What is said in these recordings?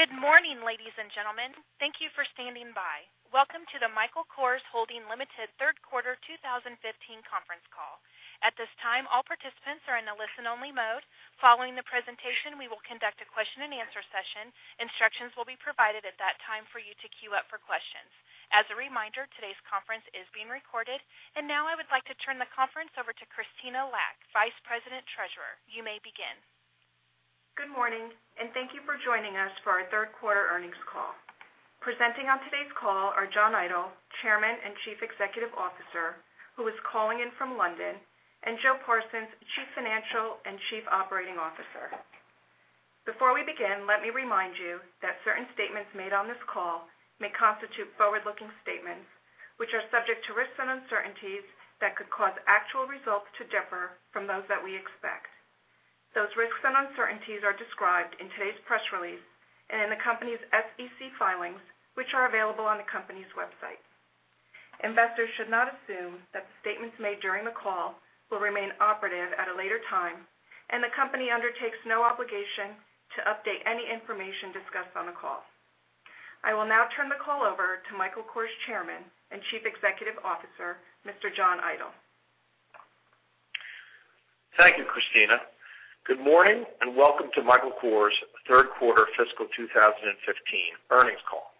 Good morning, ladies and gentlemen. Thank you for standing by. Welcome to the Michael Kors Holdings Limited third quarter 2015 conference call. At this time, all participants are in a listen-only mode. Following the presentation, we will conduct a question and answer session. Instructions will be provided at that time for you to queue up for questions. As a reminder, today's conference is being recorded. Now I would like to turn the conference over to Krystyna Lack, Vice President Treasurer. You may begin. Good morning. Thank you for joining us for our third quarter earnings call. Presenting on today's call are John Idol, Chairman and Chief Executive Officer, who is calling in from London, and Joe Parsons, Chief Financial and Chief Operating Officer. Before we begin, let me remind you that certain statements made on this call may constitute forward-looking statements, which are subject to risks and uncertainties that could cause actual results to differ from those that we expect. Those risks and uncertainties are described in today's press release and in the company's SEC filings, which are available on the company's website. Investors should not assume that the statements made during the call will remain operative at a later time, the company undertakes no obligation to update any information discussed on the call. I will now turn the call over to Michael Kors Chairman and Chief Executive Officer, Mr. John Idol. Thank you, Krystyna. Good morning. Welcome to Michael Kors's third quarter fiscal 2015 earnings call.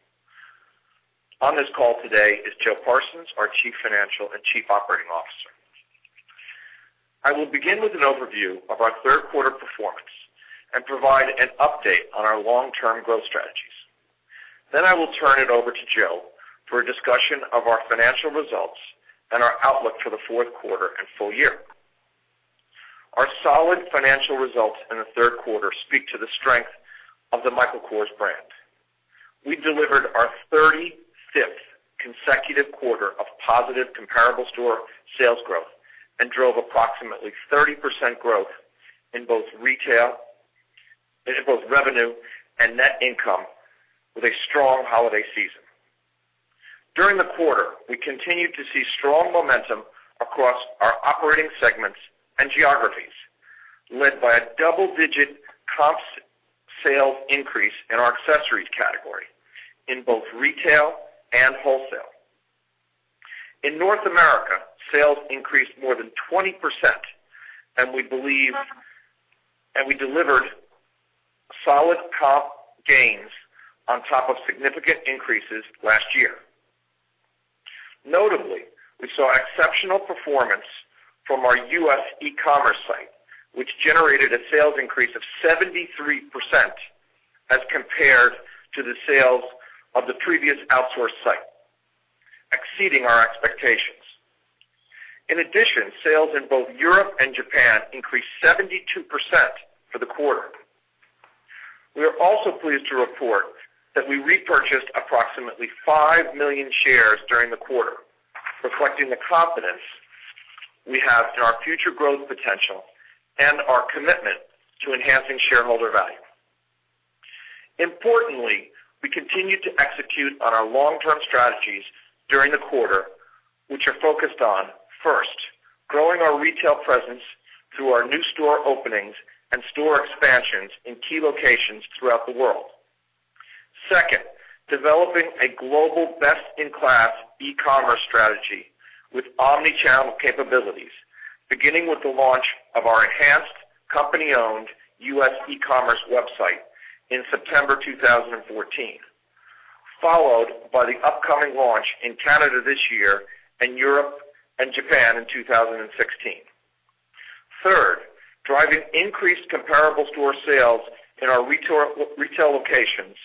On this call today is Joe Parsons, our Chief Financial and Chief Operating Officer. I will begin with an overview of our third quarter performance and provide an update on our long-term growth strategies. I will turn it over to Joe for a discussion of our financial results and our outlook for the fourth quarter and full year. Our solid financial results in the third quarter speak to the strength of the Michael Kors brand. We delivered our 35th consecutive quarter of positive comparable store sales growth and drove approximately 30% growth in both revenue and net income with a strong holiday season. During the quarter, we continued to see strong momentum across our operating segments and geographies, led by a double-digit comps sales increase in our accessories category in both retail and wholesale. In North America, sales increased more than 20%, and we delivered solid comp gains on top of significant increases last year. Notably, we saw exceptional performance from our U.S. e-commerce site, which generated a sales increase of 73% as compared to the sales of the previous outsourced site, exceeding our expectations. In addition, sales in both Europe and Japan increased 72% for the quarter. We are also pleased to report that we repurchased approximately 5 million shares during the quarter, reflecting the confidence we have in our future growth potential and our commitment to enhancing shareholder value. Importantly, we continued to execute on our long-term strategies during the quarter, which are focused on, first, growing our retail presence through our new store openings and store expansions in key locations throughout the world. Second, developing a global best-in-class e-commerce strategy with omni-channel capabilities, beginning with the launch of our enhanced company-owned U.S. e-commerce website in September 2014, followed by the upcoming launch in Canada this year and Europe and Japan in 2016. Third, driving increased comparable store sales in our retail locations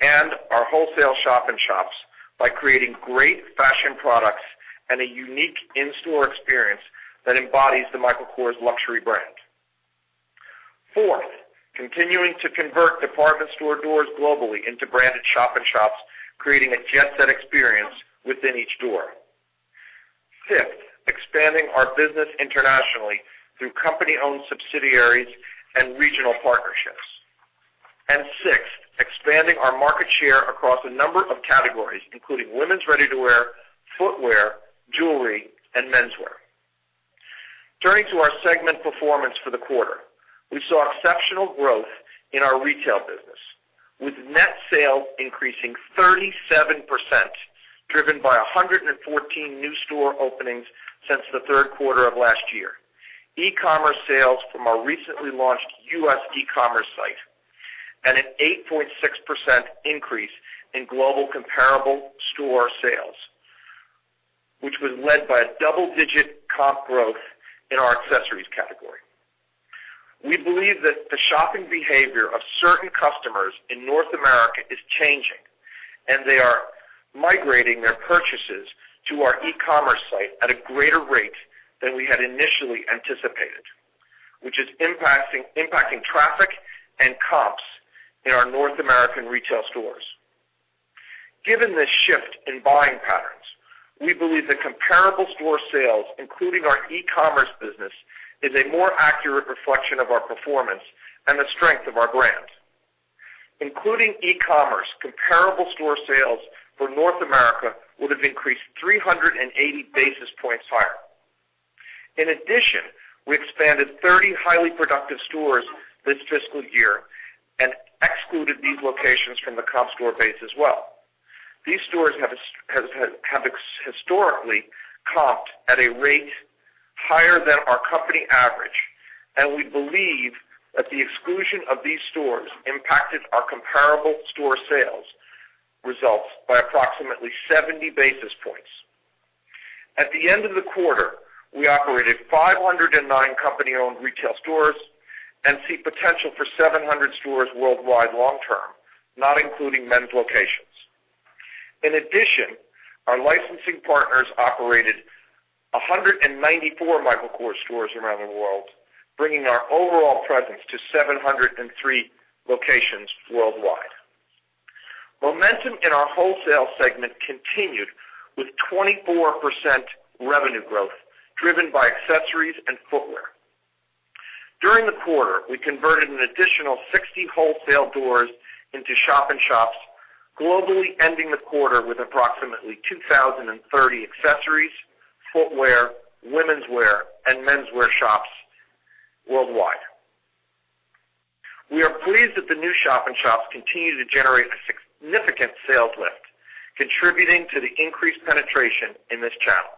and our wholesale shop-in-shops by creating great fashion products and a unique in-store experience that embodies the Michael Kors luxury brand. Fourth, continuing to convert department store doors globally into branded shop-in-shops, creating a jet-set experience within each door. Fifth, expanding our business internationally through company-owned subsidiaries and regional partnerships. Sixth, expanding our market share across a number of categories, including women's ready-to-wear, footwear, jewelry, and menswear. Turning to our segment performance for the quarter. We saw exceptional growth in our retail business, with net sales increasing 37%, driven by 114 new store openings since the third quarter of last year, e-commerce sales from our recently launched U.S. e-commerce site, and an 8.6% increase in global comparable store sales, which was led by a double-digit comp growth in our accessories category. We believe that the shopping behavior of certain customers in North America is changing, and they are migrating their purchases to our e-commerce site at a greater rate than we had initially anticipated, which is impacting traffic and comps in our North American retail stores. Given this shift in buying patterns, we believe that comparable store sales, including our e-commerce business, is a more accurate reflection of our performance and the strength of our brand. Including e-commerce, comparable store sales for North America would have increased 380 basis points higher. In addition, we expanded 30 highly productive stores this fiscal year and excluded these locations from the comp store base as well. These stores have historically comped at a rate higher than our company average, and we believe that the exclusion of these stores impacted our comparable store sales results by approximately 70 basis points. At the end of the quarter, we operated 509 company-owned retail stores and see potential for 700 stores worldwide long term, not including men's locations. In addition, our licensing partners operated 194 Michael Kors stores around the world, bringing our overall presence to 703 locations worldwide. Momentum in our wholesale segment continued with 24% revenue growth driven by accessories and footwear. During the quarter, we converted an additional 60 wholesale doors into shop-in-shops, globally ending the quarter with approximately 2,030 accessories, footwear, womenswear, and menswear shops worldwide. We are pleased that the new shop-in-shops continue to generate a significant sales lift, contributing to the increased penetration in this channel.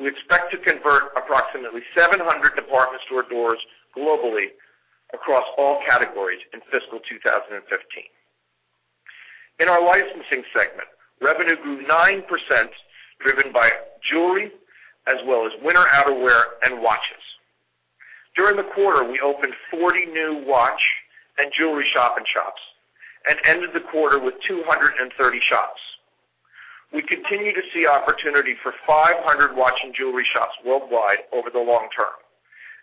We expect to convert approximately 700 department store doors globally across all categories in fiscal 2015. In our licensing segment, revenue grew 9%, driven by jewelry as well as winter outerwear and watches. During the quarter, we opened 40 new watch and jewelry shop-in-shops and ended the quarter with 230 shops. We continue to see opportunity for 500 watch and jewelry shops worldwide over the long term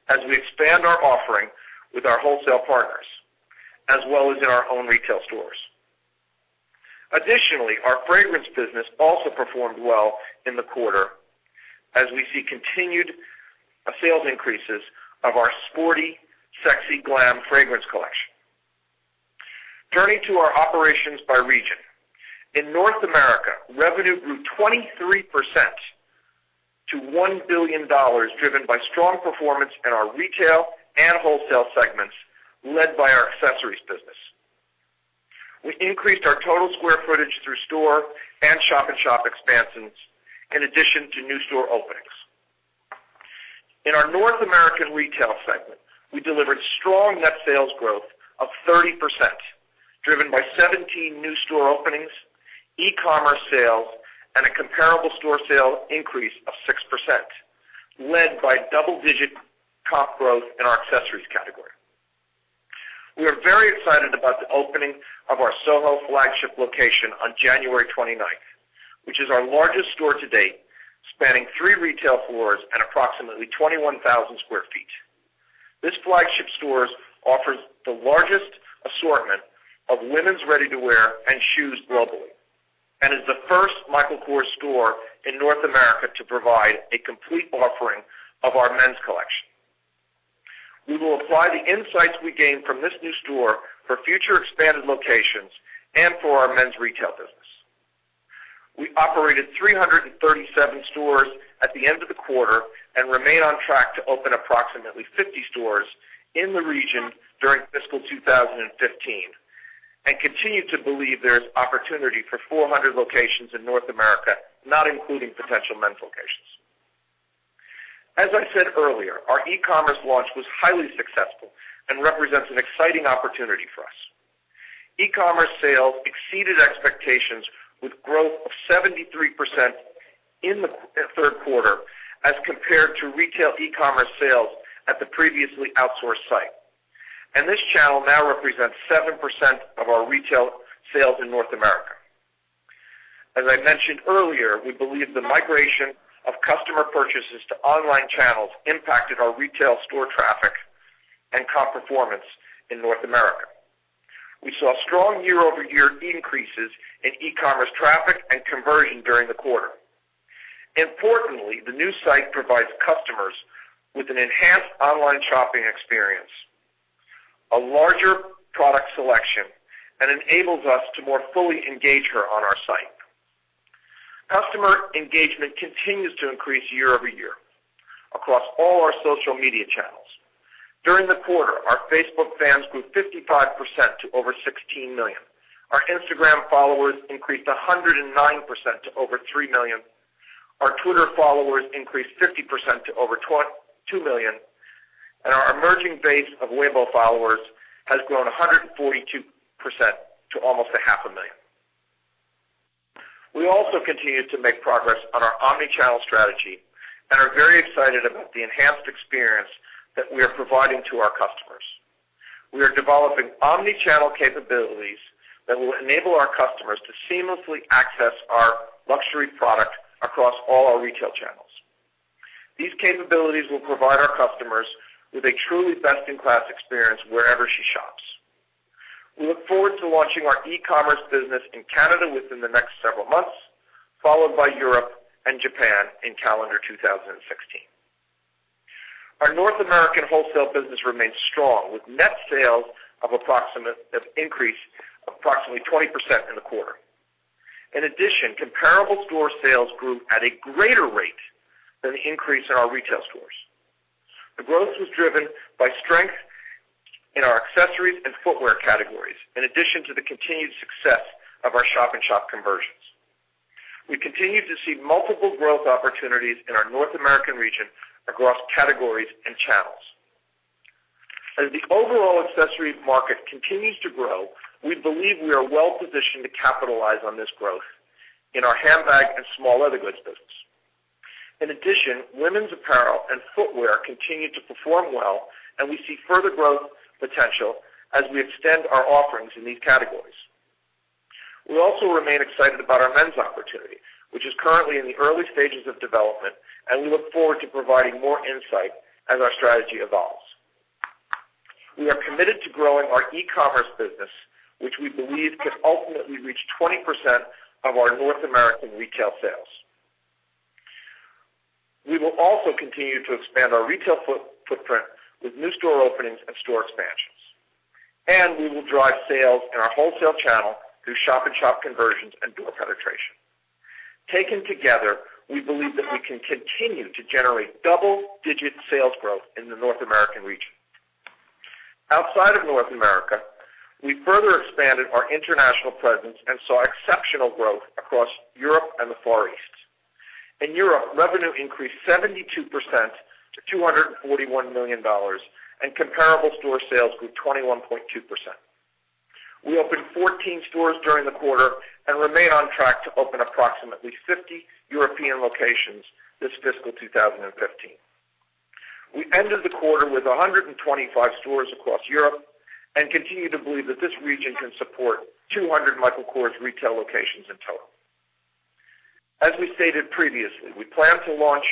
as we expand our offering with our wholesale partners as well as in our own retail stores. Our fragrance business also performed well in the quarter as we see continued sales increases of our Sporty Sexy Glam fragrance collection. Turning to our operations by region. In North America, revenue grew 23% to $1 billion, driven by strong performance in our retail and wholesale segments led by our accessories business. We increased our total square footage through store and shop-in-shop expansions in addition to new store openings. In our North American retail segment, we delivered strong net sales growth of 30%, driven by 17 new store openings, e-commerce sales, and a comparable store sales increase of 6%, led by double-digit comp growth in our accessories category. We are very excited about the opening of our SoHo flagship location on January 29th, which is our largest store to date, spanning three retail floors and approximately 21,000 square feet. This flagship store offers the largest assortment of women's ready-to-wear and shoes globally and is the first Michael Kors store in North America to provide a complete offering of our men's collection. We will apply the insights we gain from this new store for future expanded locations and for our men's retail business. We operated 337 stores at the end of the quarter and remain on track to open approximately 50 stores in the region during fiscal 2015 and continue to believe there is opportunity for 400 locations in North America, not including potential men's locations. As I said earlier, our e-commerce launch was highly successful and represents an exciting opportunity for us. E-commerce sales exceeded expectations with growth of 73% in the third quarter as compared to retail e-commerce sales at the previously outsourced site. This channel now represents 7% of our retail sales in North America. As I mentioned earlier, we believe the migration of customer purchases to online channels impacted our retail store traffic and comp performance in North America. We saw strong year-over-year increases in e-commerce traffic and conversion during the quarter. Importantly, the new site provides customers with an enhanced online shopping experience, a larger product selection, and enables us to more fully engage her on our site. Customer engagement continues to increase year-over-year across all our social media channels. During the quarter, our Facebook fans grew 55% to over 16 million. Our Instagram followers increased 109% to over three million. Our Twitter followers increased 50% to over two million. Our emerging base of Weibo followers has grown 142% to almost a half a million. We also continue to make progress on our omni-channel strategy and are very excited about the enhanced experience that we are providing to our customers. We are developing omni-channel capabilities that will enable our customers to seamlessly access our luxury product across all our retail channels. These capabilities will provide our customers with a truly best-in-class experience wherever she shops. We look forward to launching our e-commerce business in Canada within the next several months, followed by Europe and Japan in calendar 2016. Our North American wholesale business remains strong, with net sales of increase approximately 20% in the quarter. In addition, comparable store sales grew at a greater rate than the increase in our retail stores. The growth was driven by strength in our accessories and footwear categories, in addition to the continued success of our shop-in-shop conversions. We continue to see multiple growth opportunities in our North American region across categories and channels. As the overall accessories market continues to grow, we believe we are well-positioned to capitalize on this growth in our handbag and small leather goods business. In addition, women's apparel and footwear continue to perform well, we see further growth potential as we extend our offerings in these categories. We also remain excited about our men's opportunity, which is currently in the early stages of development, and we look forward to providing more insight as our strategy evolves. We are committed to growing our e-commerce business, which we believe can ultimately reach 20% of our North American retail sales. We will also continue to expand our retail footprint with new store openings and store expansions. We will drive sales in our wholesale channel through shop-in-shop conversions and door penetration. Taken together, we believe that we can continue to generate double-digit sales growth in the North American region. Outside of North America, we further expanded our international presence and saw exceptional growth across Europe and the Far East. In Europe, revenue increased 72% to $241 million, and comparable store sales grew 21.2%. We opened 14 stores during the quarter and remain on track to open approximately 50 European locations this fiscal 2015. We ended the quarter with 125 stores across Europe and continue to believe that this region can support 200 Michael Kors retail locations in total. As we stated previously, we plan to launch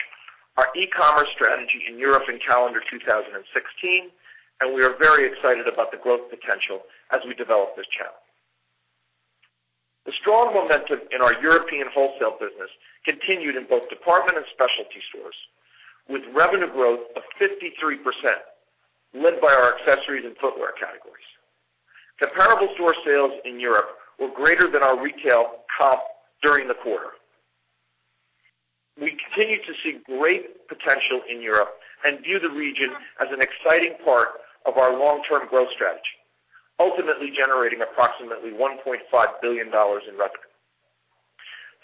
our e-commerce strategy in Europe in calendar 2016. We are very excited about the growth potential as we develop this channel. The strong momentum in our European wholesale business continued in both department and specialty stores, with revenue growth of 53%, led by our accessories and footwear categories. Comparable store sales in Europe were greater than our retail comp during the quarter. We continue to see great potential in Europe and view the region as an exciting part of our long-term growth strategy, ultimately generating approximately $1.5 billion in revenue.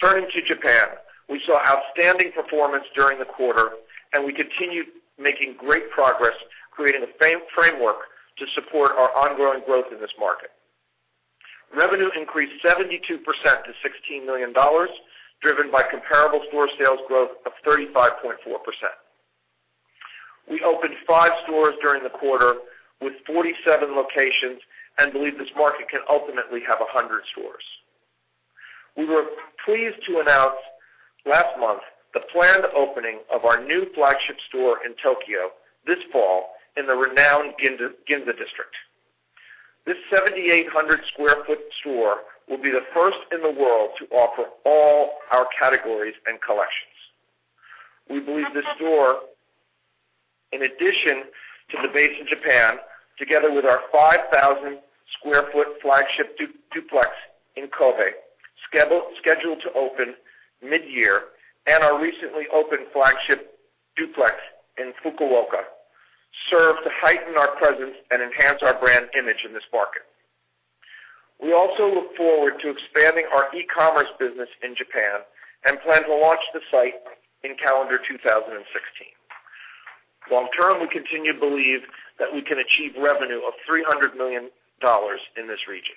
Turning to Japan, we saw outstanding performance during the quarter. We continue making great progress creating a framework to support our ongoing growth in this market. Revenue increased 72% to $16 million, driven by comparable store sales growth of 35.4%. We opened five stores during the quarter with 47 locations and believe this market can ultimately have 100 stores. We were pleased to announce last month the planned opening of our new flagship store in Tokyo this fall in the renowned Ginza district. This 7,800 sq ft store will be the first in the world to offer all our categories and collections. We believe this store, in addition to the base in Japan, together with our 5,000 sq ft flagship duplex in Kobe, scheduled to open mid-year, and our recently opened flagship duplex in Fukuoka, serve to heighten our presence and enhance our brand image in this market. We also look forward to expanding our e-commerce business in Japan and plan to launch the site in calendar 2016. Long-term, we continue to believe that we can achieve revenue of $300 million in this region.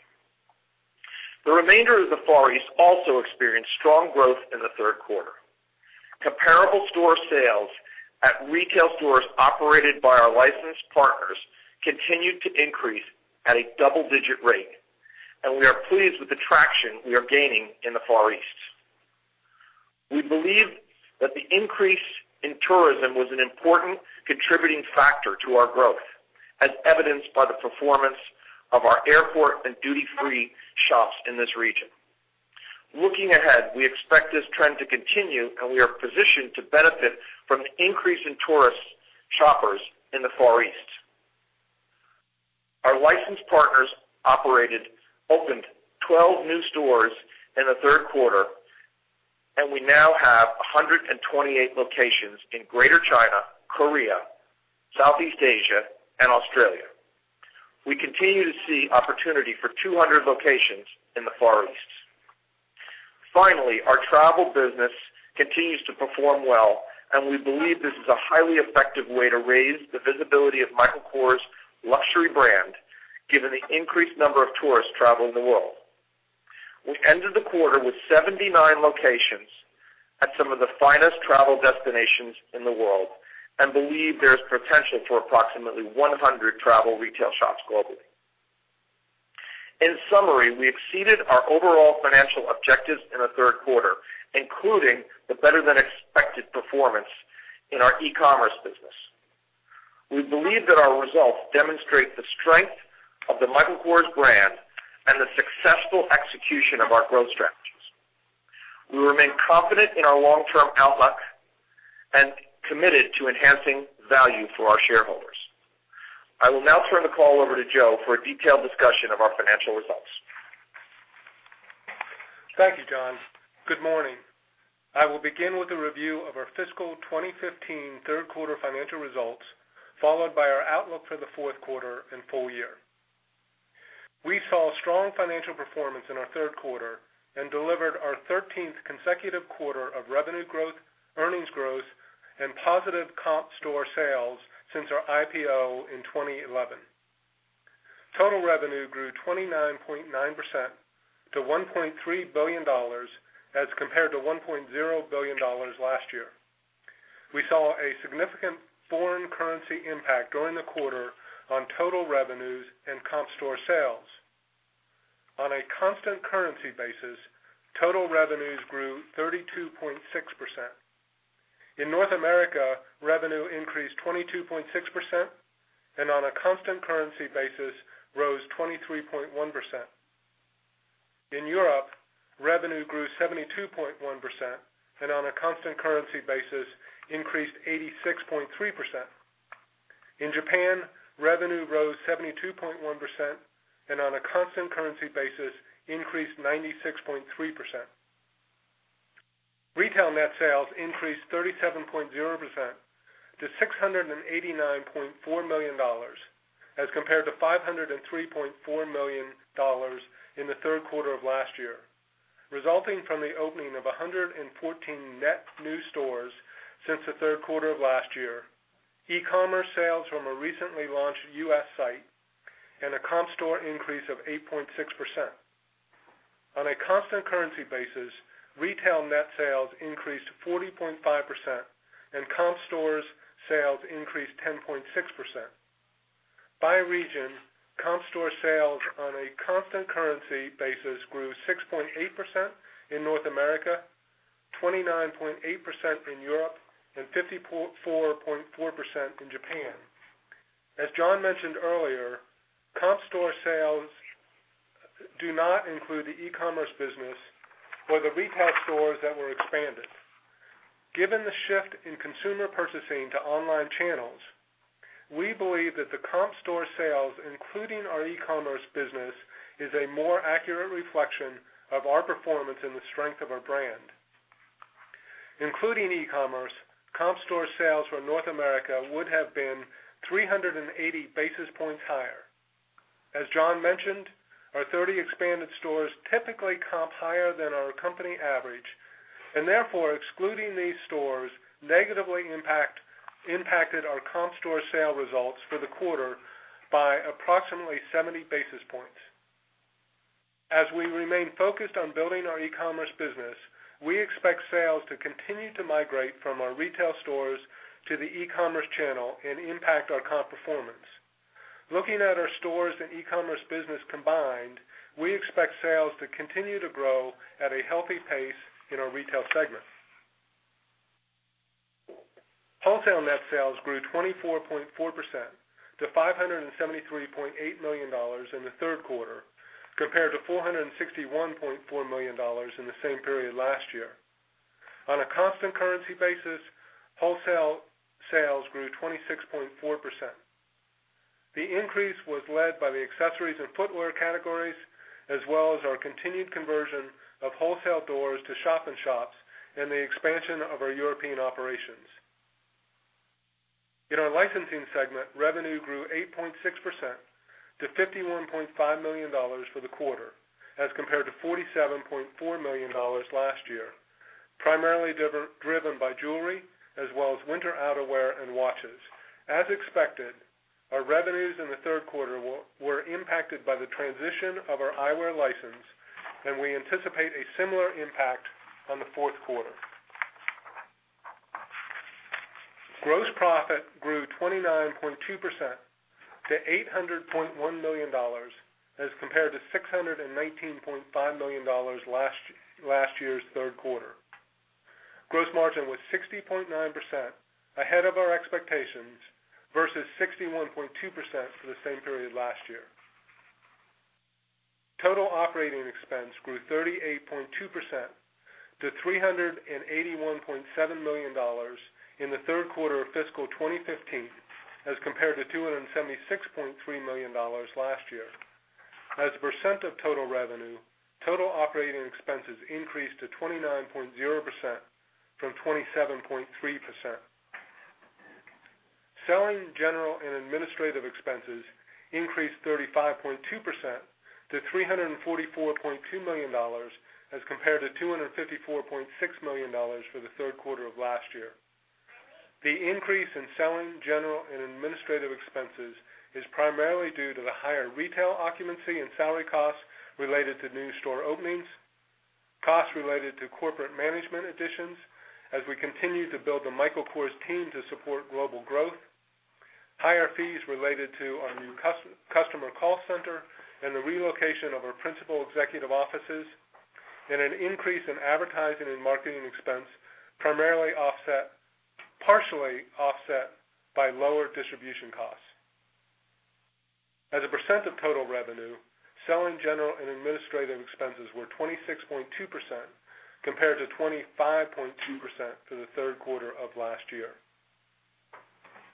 The remainder of the Far East also experienced strong growth in the third quarter. Comparable store sales at retail stores operated by our licensed partners continued to increase at a double-digit rate, we are pleased with the traction we are gaining in the Far East. We believe that the increase in tourism was an important contributing factor to our growth, as evidenced by the performance of our airport and duty-free shops in this region. Looking ahead, we expect this trend to continue, we are positioned to benefit from the increase in tourist shoppers in the Far East. Our licensed partners opened 12 new stores in the third quarter, we now have 128 locations in Greater China, Korea, Southeast Asia, and Australia. We continue to see opportunity for 200 locations in the Far East. Finally, our travel business continues to perform well, we believe this is a highly effective way to raise the visibility of Michael Kors' luxury brand, given the increased number of tourists traveling the world. We ended the quarter with 79 locations at some of the finest travel destinations in the world and believe there is potential for approximately 100 travel retail shops globally. In summary, we exceeded our overall financial objectives in the third quarter, including the better-than-expected performance in our e-commerce business. We believe that our results demonstrate the strength of the Michael Kors brand and the successful execution of our growth strategy. We remain confident in our long-term outlook and committed to enhancing value for our shareholders. I will now turn the call over to Joe for a detailed discussion of our financial results. Thank you, John. Good morning. I will begin with a review of our fiscal 2015 third quarter financial results, followed by our outlook for the fourth quarter and full year. We saw strong financial performance in our third quarter and delivered our 13th consecutive quarter of revenue growth, earnings growth, and positive comp store sales since our IPO in 2011. Total revenue grew 29.9% to $1.3 billion as compared to $1.0 billion last year. We saw a significant foreign currency impact during the quarter on total revenues and comp store sales. On a constant currency basis, total revenues grew 32.6%. In North America, revenue increased 22.6%, and on a constant currency basis, rose 23.1%. In Europe, revenue grew 72.1%, and on a constant currency basis, increased 86.3%. In Japan, revenue rose 72.1%, and on a constant currency basis, increased 96.3%. Retail net sales increased 37.0% to $689.4 million as compared to $503.4 million in the third quarter of last year, resulting from the opening of 114 net new stores since the third quarter of last year, e-commerce sales from a recently launched U.S. site, and a comp store increase of 8.6%. On a constant currency basis, retail net sales increased 40.5% and comp store sales increased 10.6%. By region, comp store sales on a constant currency basis grew 6.8% in North America, 29.8% in Europe, and 54.4% in Japan. As John mentioned earlier, comp store sales do not include the e-commerce business or the retail stores that were expanded. Given the shift in consumer purchasing to online channels, we believe that the comp store sales, including our e-commerce business, is a more accurate reflection of our performance and the strength of our brand. Including e-commerce, comp store sales for North America would have been 380 basis points higher. As John mentioned, our 30 expanded stores typically comp higher than our company average, and therefore excluding these stores negatively impacted our comp store sale results for the quarter by approximately 70 basis points. As we remain focused on building our e-commerce business, we expect sales to continue to migrate from our retail stores to the e-commerce channel and impact our comp performance. Looking at our stores and e-commerce business combined, we expect sales to continue to grow at a healthy pace in our retail segment. Wholesale net sales grew 24.4% to $573.8 million in the third quarter, compared to $461.4 million in the same period last year. On a constant currency basis, wholesale sales grew 26.4%. The increase was led by the accessories and footwear categories, as well as our continued conversion of wholesale doors to shop-in-shops and the expansion of our European operations. In our licensing segment, revenue grew 8.6% to $51.5 million for the quarter as compared to $47.4 million last year, primarily driven by jewelry as well as winter outerwear and watches. As expected, our revenues in the third quarter were impacted by the transition of our eyewear license, and we anticipate a similar impact on the fourth quarter. Gross profit grew 29.2% to $800.1 million as compared to $619.5 million last year's third quarter. Gross margin was 60.9%, ahead of our expectations, versus 61.2% for the same period last year. Total operating expense grew 38.2% to $381.7 million in the third quarter of fiscal 2015 as compared to $276.3 million last year. As a percent of total revenue, total operating expenses increased to 29.0% from 27.3%. Selling, general and administrative expenses increased 35.2% to $344.2 million as compared to $254.6 million for the third quarter of last year. The increase in selling, general and administrative expenses is primarily due to the higher retail occupancy and salary costs related to new store openings, costs related to corporate management additions as we continue to build the Michael Kors team to support global growth, higher fees related to our new customer call center and the relocation of our principal executive offices, and an increase in advertising and marketing expense, partially offset by lower distribution costs. As a percent of total revenue, selling general and administrative expenses were 26.2% compared to 25.2% for the third quarter of last year.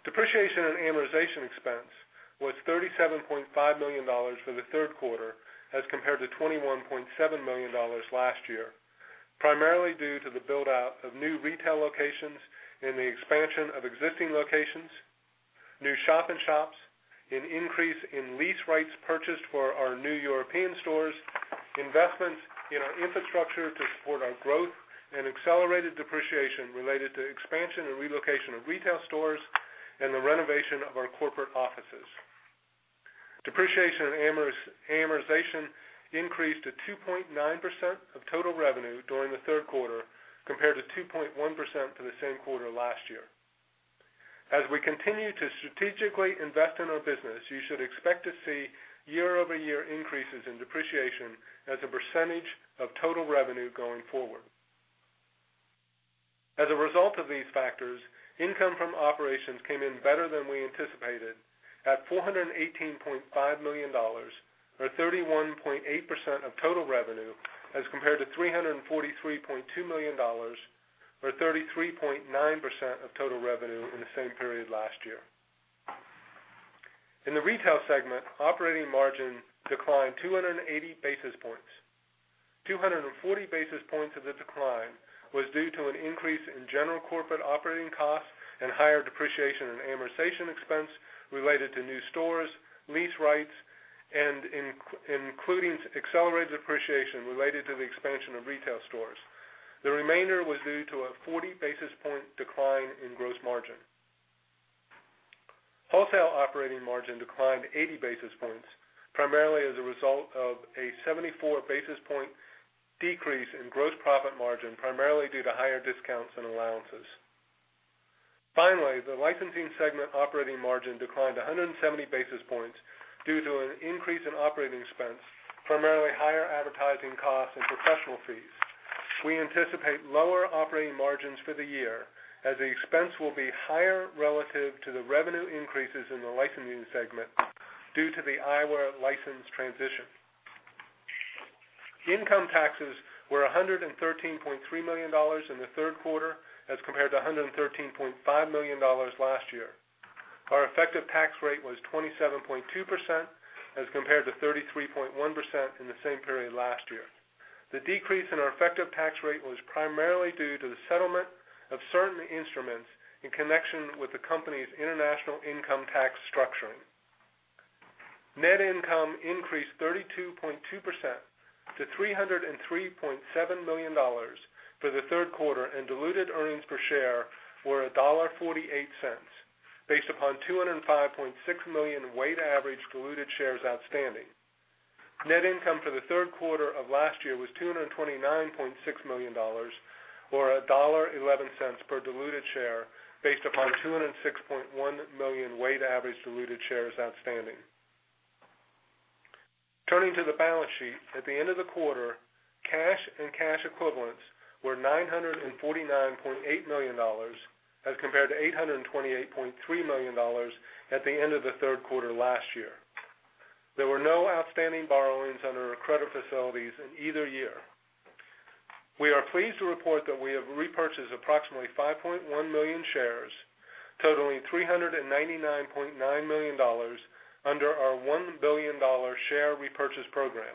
Depreciation and amortization expense was $37.5 million for the third quarter as compared to $21.7 million last year, primarily due to the build-out of new retail locations and the expansion of existing locations, new shop-in-shops, an increase in lease rights purchased for our new European stores, investments in our infrastructure to support our growth, and accelerated depreciation related to expansion and relocation of retail stores and the renovation of our corporate offices. Depreciation and amortization increased to 2.9% of total revenue during the third quarter, compared to 2.1% for the same quarter last year. As we continue to strategically invest in our business, you should expect to see year-over-year increases in depreciation as a percentage of total revenue going forward. As a result of these factors, income from operations came in better than we anticipated at $418.5 million, or 31.8% of total revenue, as compared to $343.2 million, or 33.9% of total revenue in the same period last year. In the retail segment, operating margin declined 280 basis points. 240 basis points of the decline was due to an increase in general corporate operating costs and higher depreciation and amortization expense related to new stores, lease rights, and including accelerated depreciation related to the expansion of retail stores. The remainder was due to a 40 basis point decline in gross margin. Wholesale operating margin declined 80 basis points, primarily as a result of a 74 basis point decrease in gross profit margin, primarily due to higher discounts and allowances. Finally, the licensing segment operating margin declined 170 basis points due to an increase in operating expense, primarily higher advertising costs and professional fees. We anticipate lower operating margins for the year as the expense will be higher relative to the revenue increases in the licensing segment due to the eyewear transition. Income taxes were $113.3 million in the third quarter, as compared to $113.5 million last year. Our effective tax rate was 27.2%, as compared to 33.1% in the same period last year. The decrease in our effective tax rate was primarily due to the settlement of certain instruments in connection with the company's international income tax structuring. Net income increased 32.2% to $303.7 million for the third quarter, and diluted earnings per share were $1.48, based upon 205.6 million weighted-average diluted shares outstanding. Net income for the third quarter of last year was $229.6 million, or $1.11 per diluted share, based upon 206.1 million weighted-average diluted shares outstanding. Turning to the balance sheet. At the end of the quarter, cash and cash equivalents were $949.8 million, as compared to $828.3 million at the end of the third quarter last year. There were no outstanding borrowings under our credit facilities in either year. We are pleased to report that we have repurchased approximately 5.1 million shares, totaling $399.9 million under our $1 billion share repurchase program.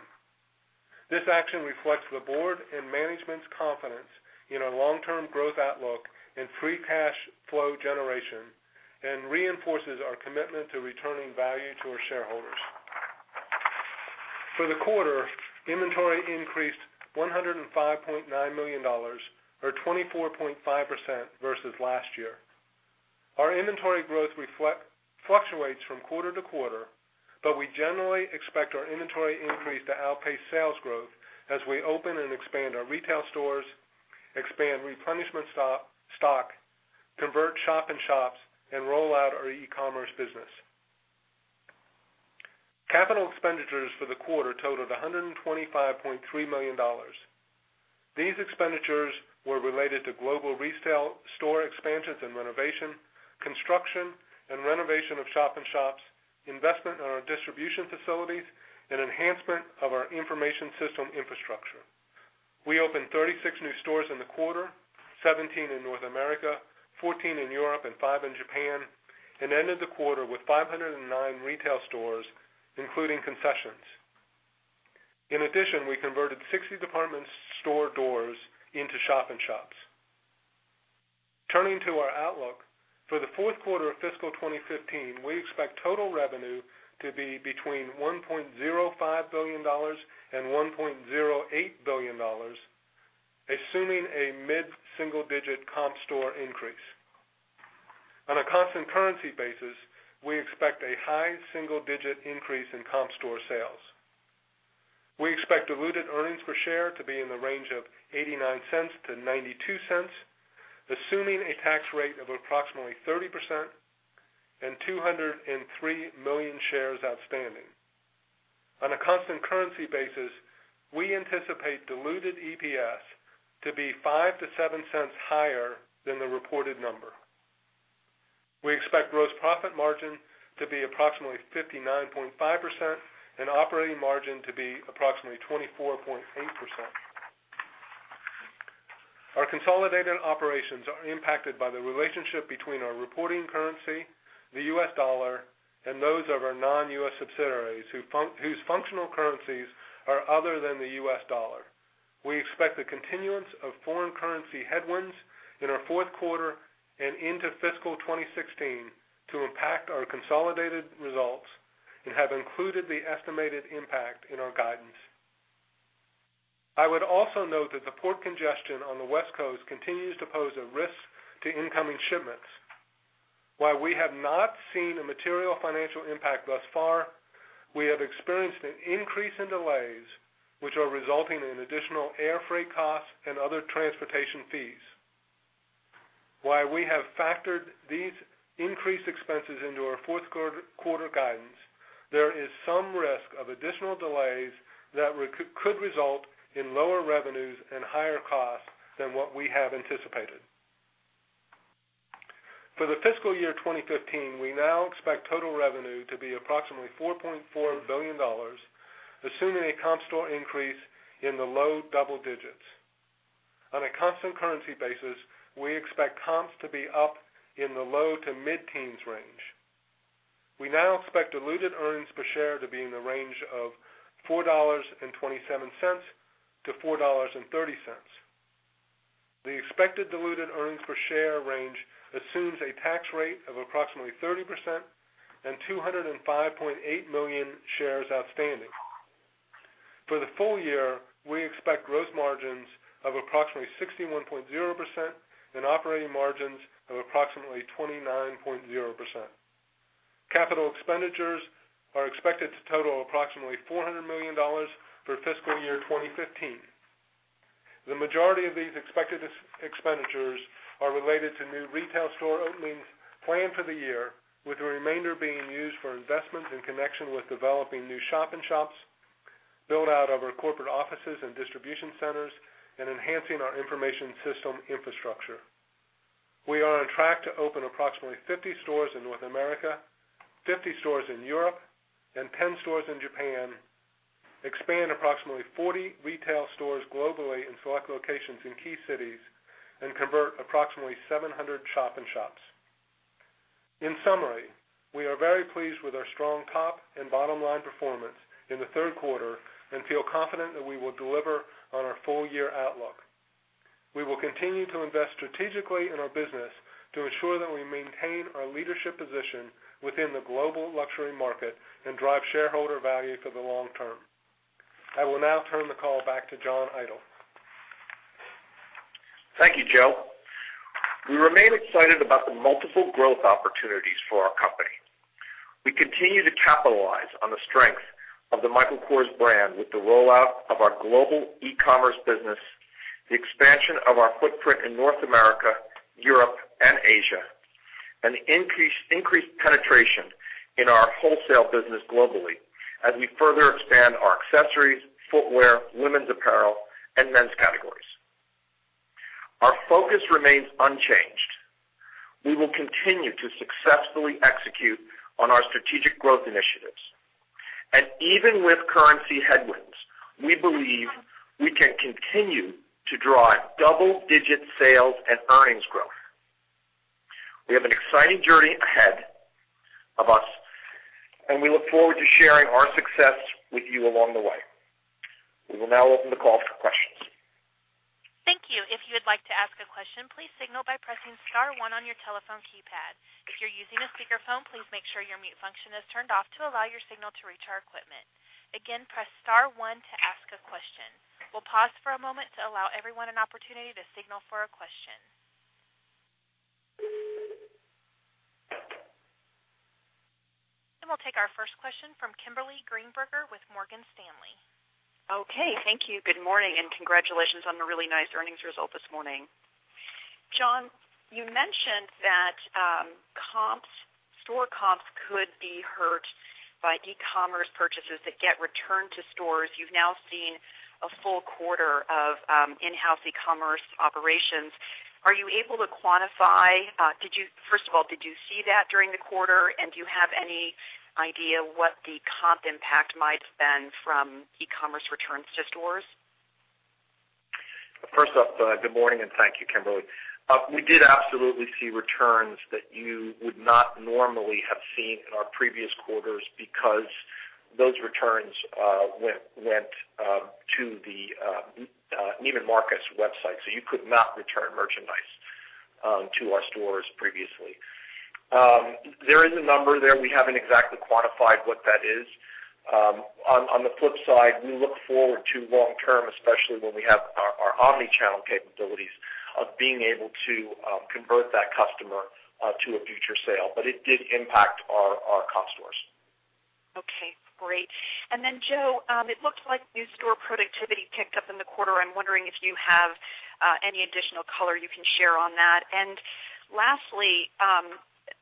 This action reflects the board and management's confidence in our long-term growth outlook and free cash flow generation and reinforces our commitment to returning value to our shareholders. For the quarter, inventory increased $105.9 million, or 24.5% versus last year. Our inventory growth fluctuates from quarter to quarter. We generally expect our inventory increase to outpace sales growth as we open and expand our retail stores, expand replenishment stock, convert shop-in-shops, and roll out our e-commerce business. Capital expenditures for the quarter totaled $125.3 million. These expenditures were related to global retail store expansions and renovation, construction and renovation of shop-in-shops, investment in our distribution facilities, and enhancement of our information system infrastructure. We opened 36 new stores in the quarter, 17 in North America, 14 in Europe, and five in Japan, and ended the quarter with 509 retail stores, including concessions. In addition, we converted 60 department store doors into shop-in-shops. Turning to our outlook. For the fourth quarter of fiscal 2015, we expect total revenue to be between $1.05 billion and $1.08 billion, assuming a mid-single-digit comp store increase. On a constant currency basis, we expect a high single-digit increase in comp store sales. We expect diluted earnings per share to be in the range of $0.89-$0.92, assuming a tax rate of approximately 30% and 203 million shares outstanding. On a constant currency basis, we anticipate diluted EPS to be $0.05-$0.07 higher than the reported number. We expect gross profit margin to be approximately 59.5% and operating margin to be approximately 24.8%. Our consolidated operations are impacted by the relationship between our reporting currency, the US dollar, and those of our non-U.S. subsidiaries whose functional currencies are other than the US dollar. We expect the continuance of foreign currency headwinds in our fourth quarter and into fiscal 2016 to impact our consolidated results and have included the estimated impact in our guidance. I would also note that the port congestion on the West Coast continues to pose a risk to incoming shipments. While we have not seen a material financial impact thus far, we have experienced an increase in delays, which are resulting in additional air freight costs and other transportation fees. While we have factored these increased expenses into our fourth quarter guidance, there is some risk of additional delays that could result in lower revenues and higher costs than what we have anticipated. For the fiscal year 2015, we now expect total revenue to be approximately $4.4 billion, assuming a comp store increase in the low double digits. On a constant currency basis, we expect comps to be up in the low to mid-teens range. We now expect diluted earnings per share to be in the range of $4.27-$4.30. The expected diluted earnings per share range assumes a tax rate of approximately 30% and 205.8 million shares outstanding. For the full year, we expect gross margins of approximately 61.0% and operating margins of approximately 29.0%. Capital expenditures are expected to total approximately $400 million for fiscal year 2015. The majority of these expected expenditures are related to new retail store openings planned for the year, with the remainder being used for investments in connection with developing new shop-in-shops, build-out of our corporate offices and distribution centers, and enhancing our information system infrastructure. We are on track to open approximately 50 stores in North America, 50 stores in Europe, and 10 stores in Japan, expand approximately 40 retail stores globally in select locations in key cities, and convert approximately 700 shop-in-shops. In summary, we are very pleased with our strong top and bottom-line performance in the third quarter and feel confident that we will deliver on our full-year outlook. We will continue to invest strategically in our business to ensure that we maintain our leadership position within the global luxury market and drive shareholder value for the long term. I will now turn the call back to John Idol. Thank you, Joe. We remain excited about the multiple growth opportunities for our company. We continue to capitalize on the strength of the Michael Kors brand with the rollout of our global e-commerce business, the expansion of our footprint in North America, Europe, and Asia, and increased penetration in our wholesale business globally as we further expand our accessories, footwear, women's apparel, and men's categories. Our focus remains unchanged. We will continue to successfully execute on our strategic growth initiatives. Even with currency headwinds, we believe we can continue to drive double-digit sales and earnings growth. We have an exciting journey ahead of us, and we look forward to sharing our success with you along the way. We will now open the call for questions. Thank you. If you would like to ask a question, please signal by pressing star one on your telephone keypad. If you're using a speakerphone, please make sure your mute function is turned off to allow your signal to reach our equipment. Again, press star one to ask a question. We'll pause for a moment to allow everyone an opportunity to signal for a question. We'll take our first question from Kimberly Greenberger with Morgan Stanley. Okay. Thank you. Good morning, and congratulations on the really nice earnings result this morning. John, you mentioned that store comps could be hurt by e-commerce purchases that get returned to stores. You've now seen a full quarter of in-house e-commerce operations. Are you able to quantify First of all, did you see that during the quarter? Do you have any idea what the comp impact might have been from e-commerce returns to stores? First off, good morning, and thank you, Kimberly. We did absolutely see returns that you would not normally have seen in our previous quarters because those returns went to the Neiman Marcus website, so you could not return merchandise to our stores previously. There is a number there. We haven't exactly quantified what that is. On the flip side, we look forward to long term, especially when we have our omni-channel capabilities, of being able to convert that customer to a future sale. It did impact our comp stores. Okay, great. Joe, it looked like new store productivity picked up in the quarter. I'm wondering if you have any additional color you can share on that. Lastly,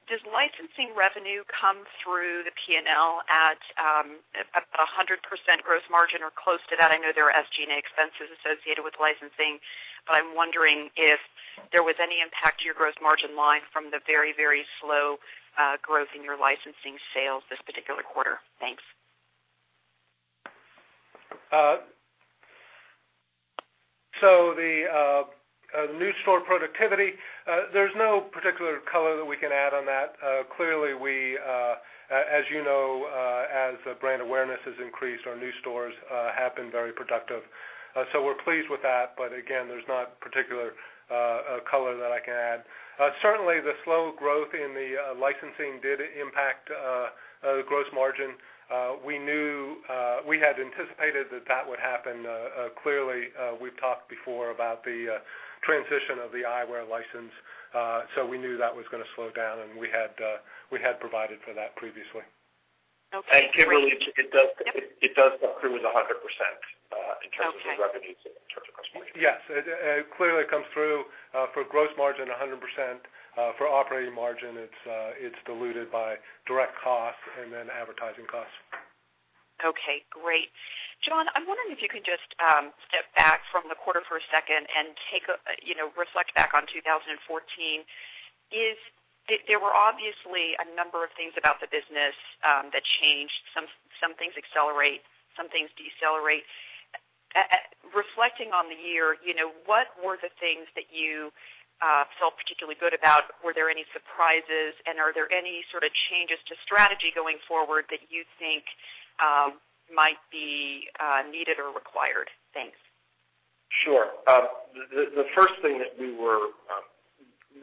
Does licensing revenue come through the P&L at about 100% gross margin or close to that? I know there are SG&A expenses associated with licensing, but I'm wondering if there was any impact to your gross margin line from the very slow growth in your licensing sales this particular quarter. Thanks. The new store productivity, there's no particular color that we can add on that. Clearly, as you know, as brand awareness has increased, our new stores have been very productive. We're pleased with that, but again, there's not particular color that I can add. Certainly, the slow growth in the licensing did impact the gross margin. We had anticipated that that would happen. Clearly, we've talked before about the transition of the eyewear license. We knew that was going to slow down, and we had provided for that previously. Okay. Kimberly, it does come through as 100% in terms of the revenues, in terms of gross margin. Yes. It clearly comes through for gross margin 100%. For operating margin, it's diluted by direct costs and then advertising costs. Okay, great. John, I'm wondering if you can just step back from the quarter for a second and reflect back on 2014. There were obviously a number of things about the business that changed. Some things accelerate, some things decelerate. Reflecting on the year, what were the things that you felt particularly good about? Were there any surprises? Are there any sort of changes to strategy going forward that you think might be needed or required? Thanks. Sure. The first thing that we were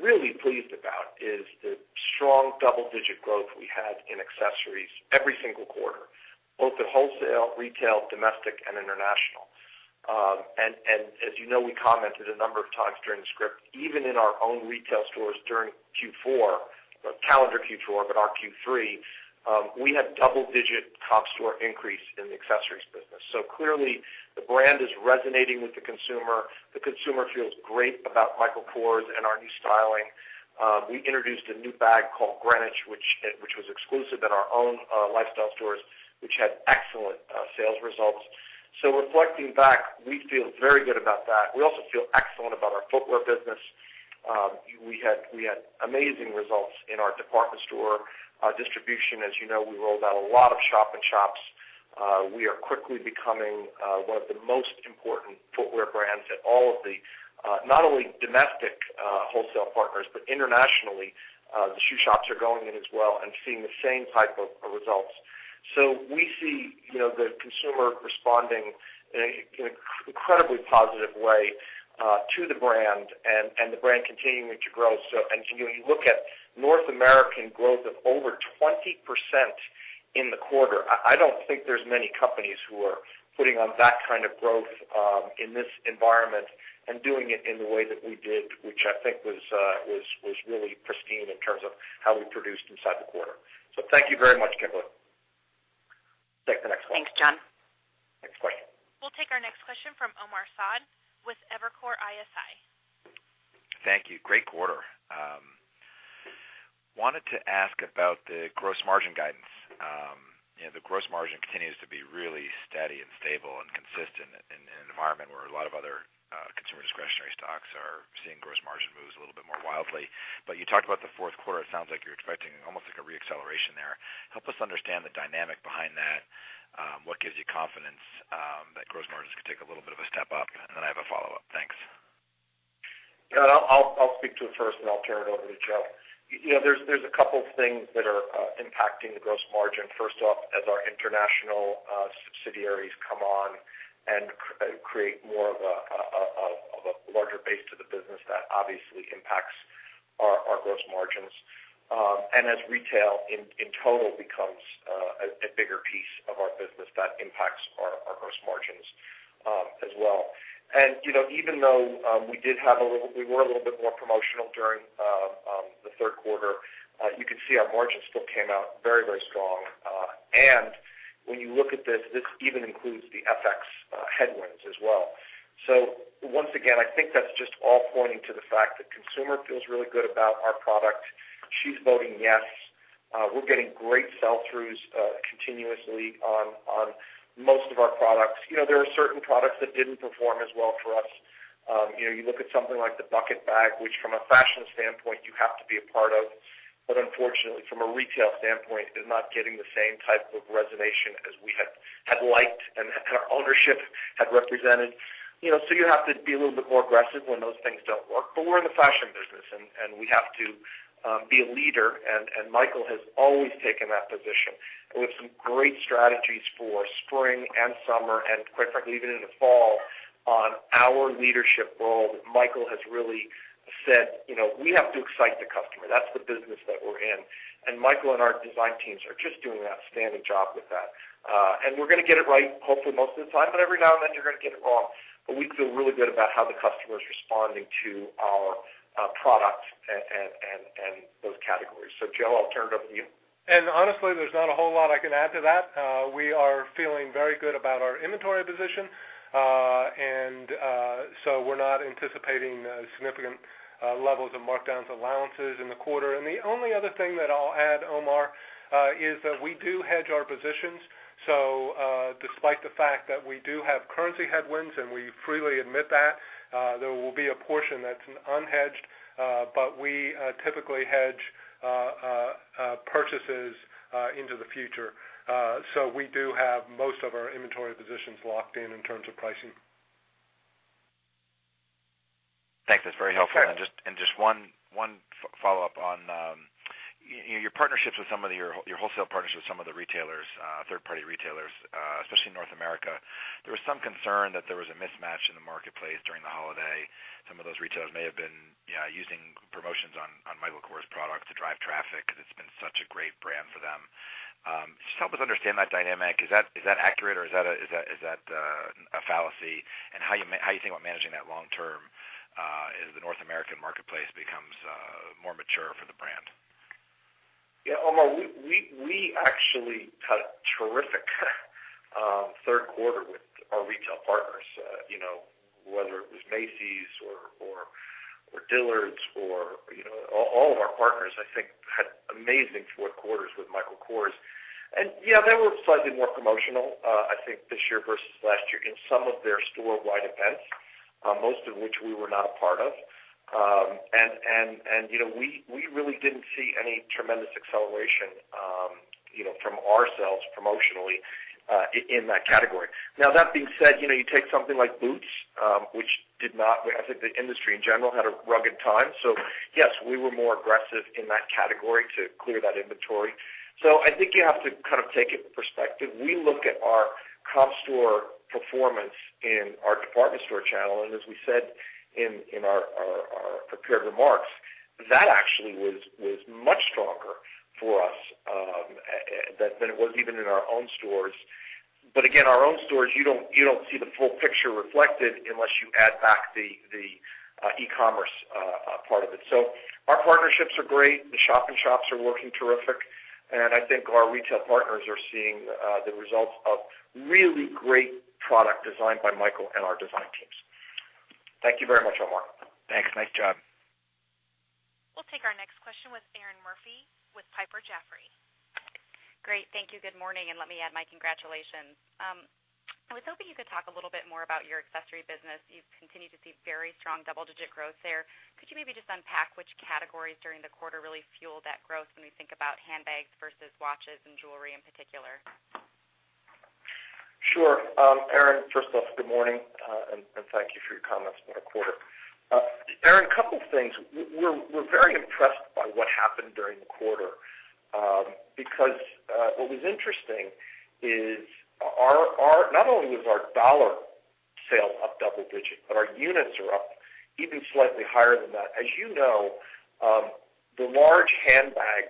really pleased about is the strong double-digit growth we had in accessories every single quarter, both at wholesale, retail, domestic, and international. As you know, we commented a number of times during the script, even in our own retail stores during Q4, or calendar Q4, but our Q3, we had double-digit top store increase in the accessories business. Clearly the brand is resonating with the consumer. The consumer feels great about Michael Kors and our new styling. We introduced a new bag called Greenwich, which was exclusive in our own lifestyle stores, which had excellent sales results. Reflecting back, we feel very good about that. We also feel excellent about our footwear business. We had amazing results in our department store distribution. As you know, we rolled out a lot of shop in shops. We are quickly becoming one of the most important footwear brands at all of the, not only domestic wholesale partners, but internationally. The shoe shops are going in as well and seeing the same type of results. We see the consumer responding in an incredibly positive way to the brand and the brand continuing to grow. When you look at North American growth of over 20% in the quarter, I don't think there's many companies who are putting on that kind of growth in this environment and doing it in the way that we did, which I think was really pristine in terms of how we produced inside the quarter. Thank you very much, Kimberly. Take the next one. Thanks, John. Next question. We'll take our next question from Omar Saad with Evercore ISI. Thank you. Great quarter. I wanted to ask about the gross margin guidance. The gross margin continues to be really steady and stable and consistent in an environment where a lot of other consumer discretionary stocks are seeing gross margin moves a little bit more wildly. You talked about the fourth quarter, it sounds like you're expecting almost like a re-acceleration there. Help us understand the dynamic behind that. What gives you confidence that gross margins could take a little bit of a step up? I have a follow-up. Thanks. I'll speak to it first. I'll turn it over to Joe. There's a couple things that are impacting the gross margin. First off, as our international subsidiaries come on and create more of a larger base to the business, that obviously impacts our gross margins. As retail in total becomes a bigger piece of our business, that impacts our gross margins as well. Even though we were a little bit more promotional during the third quarter, you could see our margin still came out very, very strong. When you look at this even includes the FX headwinds as well. Once again, I think that's just all pointing to the fact that consumer feels really good about our product. She's voting yes. We're getting great sell-throughs continuously on most of our products. There are certain products that didn't perform as well for us. You look at something like the bucket bag, which from a fashion standpoint, you have to be a part of, but unfortunately, from a retail standpoint, is not getting the same type of reservation as we had liked and our ownership had represented. You have to be a little bit more aggressive when those things don't work. We're in the fashion business, and we have to be a leader, and Michael has always taken that position with some great strategies for spring and summer, and quite frankly, even in the fall, on our leadership role, Michael has really said, "We have to excite the customer." That's the business that we're in. Michael and our design teams are just doing an outstanding job with that. We're going to get it right hopefully most of the time, every now and then you're going to get it wrong. We feel really good about how the customer is responding to our products and those categories. Joe, I'll turn it over to you. Honestly, there's not a whole lot I can add to that. We are feeling very good about our inventory position. We're not anticipating significant levels of markdowns allowances in the quarter. The only other thing that I'll add, Omar, is that we do hedge our positions. Despite the fact that we do have currency headwinds, and we freely admit that, there will be a portion that's unhedged, but we typically hedge purchases into the future. We do have most of our inventory positions locked in terms of pricing. Thanks. That's very helpful. Sure. Just one follow-up on your partnerships with some of your wholesale partners, with some of the retailers, third-party retailers, especially in North America. There was some concern that there was a mismatch in the marketplace during the holiday. Some of those retailers may have been using promotions on Michael Kors products to drive traffic because it's been such a great brand for them. Just help us understand that dynamic. Is that accurate, or is that a fallacy? How you think about managing that long term, as the North American marketplace becomes more mature for the brand. Yeah, Omar, we actually had a terrific third quarter with our retail partners. Whether it was Macy's or Dillard's or all of our partners, I think, had amazing fourth quarters with Michael Kors. They were slightly more promotional, I think, this year versus last year in some of their store-wide events. Most of which we were not a part of. We really didn't see any tremendous acceleration from ourselves promotionally in that category. Now, that being said, you take something like boots, which I think the industry, in general, had a rugged time. Yes, we were more aggressive in that category to clear that inventory. I think you have to take it in perspective. We look at our comp store performance in our department store channel, and as we said in our prepared remarks, that actually was much stronger for us than it was even in our own stores. Again, our own stores, you don't see the full picture reflected unless you add back the e-commerce part of it. Our partnerships are great. The shop-in-shops are working terrific. I think our retail partners are seeing the results of really great product design by Michael and our design teams. Thank you very much, Omar. Thanks. Nice job. We'll take our next question with Erinn Murphy with Piper Jaffray. Great. Thank you. Good morning, and let me add my congratulations. I was hoping you could talk a little bit more about your accessory business. You've continued to see very strong double-digit growth there. Could you maybe just unpack which categories during the quarter really fueled that growth when we think about handbags versus watches and jewelry in particular? Sure. Erinn, first off, good morning, and thank you for your comments about our quarter. Erinn, a couple things. We're very impressed by what happened during the quarter because what was interesting is not only was our $ sale up double-digit, but our units are up even slightly higher than that. As you know, the large handbag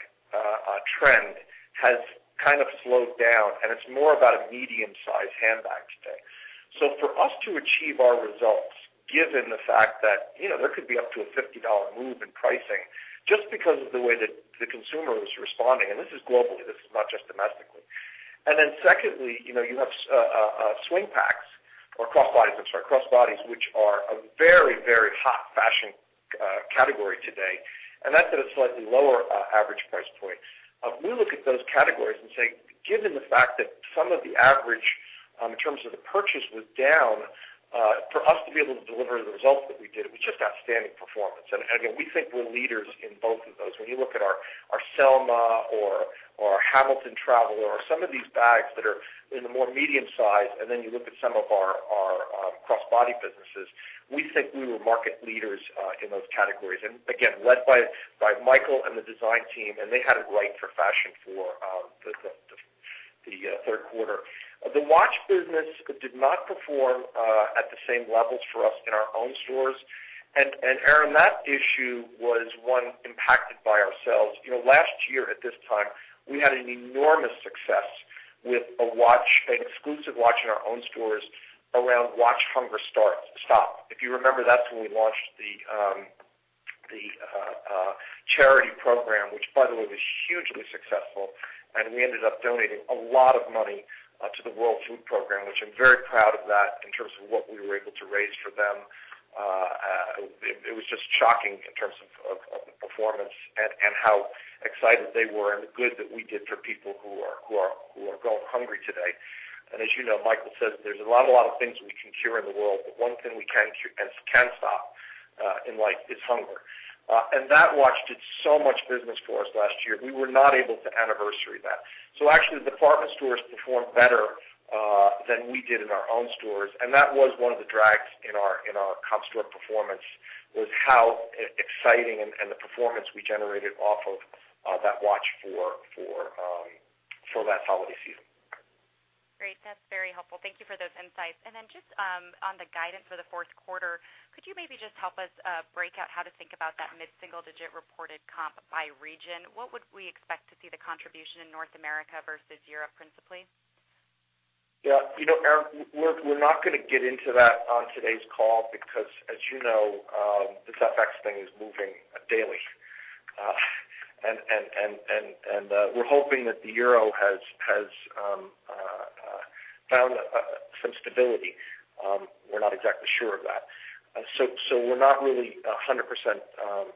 trend has kind of slowed down, and it's more about a medium-size handbag today. For us to achieve our results, given the fact that there could be up to a $50 move in pricing just because of the way that the consumer is responding, and this is globally, this is not just domestically. Secondly, you have swing packs or crossbodies, I'm sorry, which are a very, very hot fashion category today, and that's at a slightly lower average price point. We look at those categories and say, given the fact that some of the average in terms of the purchase was down, for us to be able to deliver the results that we did was just outstanding performance. Again, we think we're leaders in both of those. When you look at our Selma or our Hamilton Travel or some of these bags that are in the more medium-size, then you look at some of our crossbody businesses, we think we were market leaders in those categories. Again, led by Michael and the design team, and they had it right for fashion for the third quarter. The watch business did not perform at the same levels for us in our own stores. Erinn, that issue was one impacted by ourselves. Last year, at this time, we had an enormous success with an exclusive watch in our own stores around Watch Hunger Stop. If you remember, that's when we launched the charity program, which by the way, was hugely successful, and we ended up donating a lot of money to the World Food Programme, which I'm very proud of that in terms of what we were able to raise for them. It was just shocking in terms of the performance and how excited they were and the good that we did for people who are going hungry today. As you know, Michael says there's a lot of things we can cure in the world, but one thing we can stop in life is hunger. That watch did so much business for us last year. We were not able to anniversary that. Actually, the department stores performed better than we did in our own stores, and that was one of the drags in our comp store performance was how exciting and the performance we generated off of that watch for that holiday season. Great. That's very helpful. Thank you for those insights. Just on the guidance for the fourth quarter, could you maybe just help us break out how to think about that mid-single-digit reported comp by region? What would we expect to see the contribution in North America versus Europe principally? Erinn, we're not going to get into that on today's call because as you know, this FX thing is moving daily. We're hoping that the Euro has found some stability. We're not exactly sure of that. We're not really 100%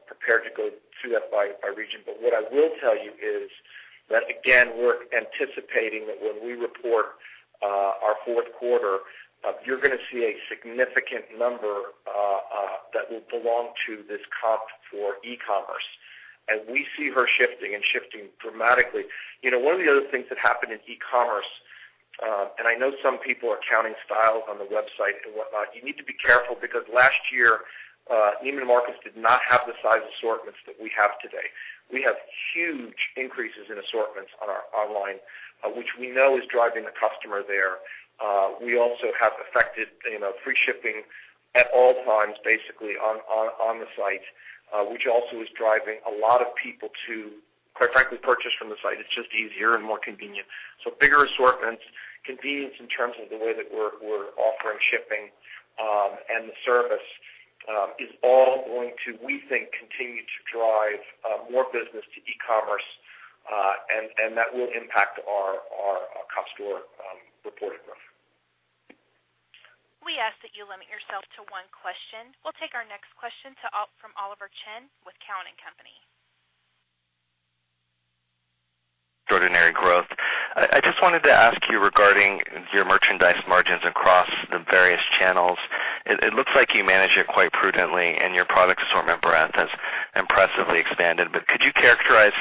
prepared to go through that by region. What I will tell you is that, again, we're anticipating that when we report our fourth quarter, you're going to see a significant number that will belong to this comp for e-commerce. We see her shifting and shifting dramatically. One of the other things that happened in e-commerce, I know some people are counting styles on the website and whatnot, you need to be careful because last year, Neiman Marcus did not have the size assortments that we have today. We have huge increases in assortments on our online, which we know is driving the customer there. We also have effected free shipping at all times, basically, on the site, which also is driving a lot of people to, quite frankly, purchase from the site. It's just easier and more convenient. Bigger assortments, convenience in terms of the way that we're offering shipping, and the service is all going to, we think, continue to drive more business to e-commerce, and that will impact our comp store reporting growth. We ask that you limit yourself to one question. We'll take our next question from Oliver Chen with Cowen and Company. Ordinary growth. I just wanted to ask you regarding your merchandise margins across the various channels. It looks like you manage it quite prudently and your product assortment breadth has impressively expanded. Could you characterize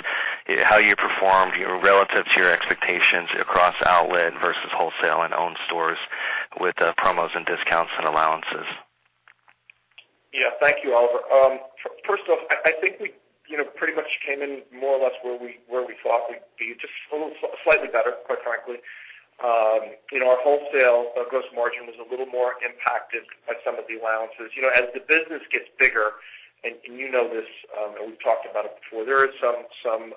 how you performed relative to your expectations across outlet versus wholesale and owned stores with promos and discounts and allowances? Yeah. Thank you, Oliver. First off, I think we pretty much came in more or less where we thought we'd be, just a little slightly better, quite frankly. Our wholesale gross margin was a little more impacted by some of the allowances. As the business gets bigger, and you know this, and we've talked about it before, there is some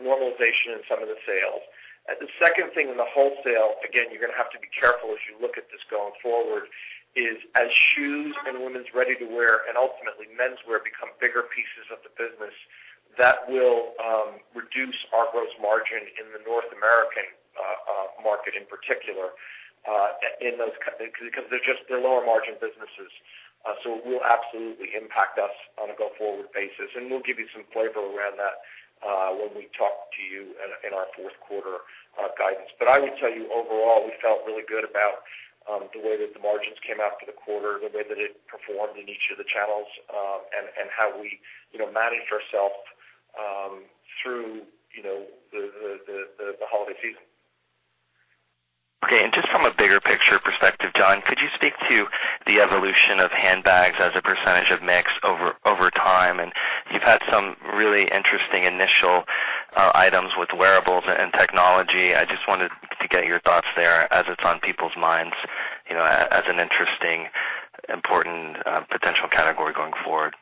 normalization in some of the sales. The second thing in the wholesale, again, you're going to have to be careful as you look at this going forward, is as shoes and women's ready-to-wear and ultimately menswear become bigger pieces of the business, that will reduce our gross margin in the North American market in particular, because they're lower margin businesses. It will absolutely impact us on a go-forward basis, and we'll give you some flavor around that when we talk to you in our fourth quarter guidance. I would tell you overall, we felt really good about the way that the margins came out for the quarter, the way that it performed in each of the channels, and how we managed ourselves through the holiday season. Okay, just from a bigger picture perspective, John, could you speak to the evolution of handbags as a percentage of mix over time? You've had some really interesting initial items with wearables and technology. I just wanted to get your thoughts there as it's on people's minds as an interesting, important potential category going forward.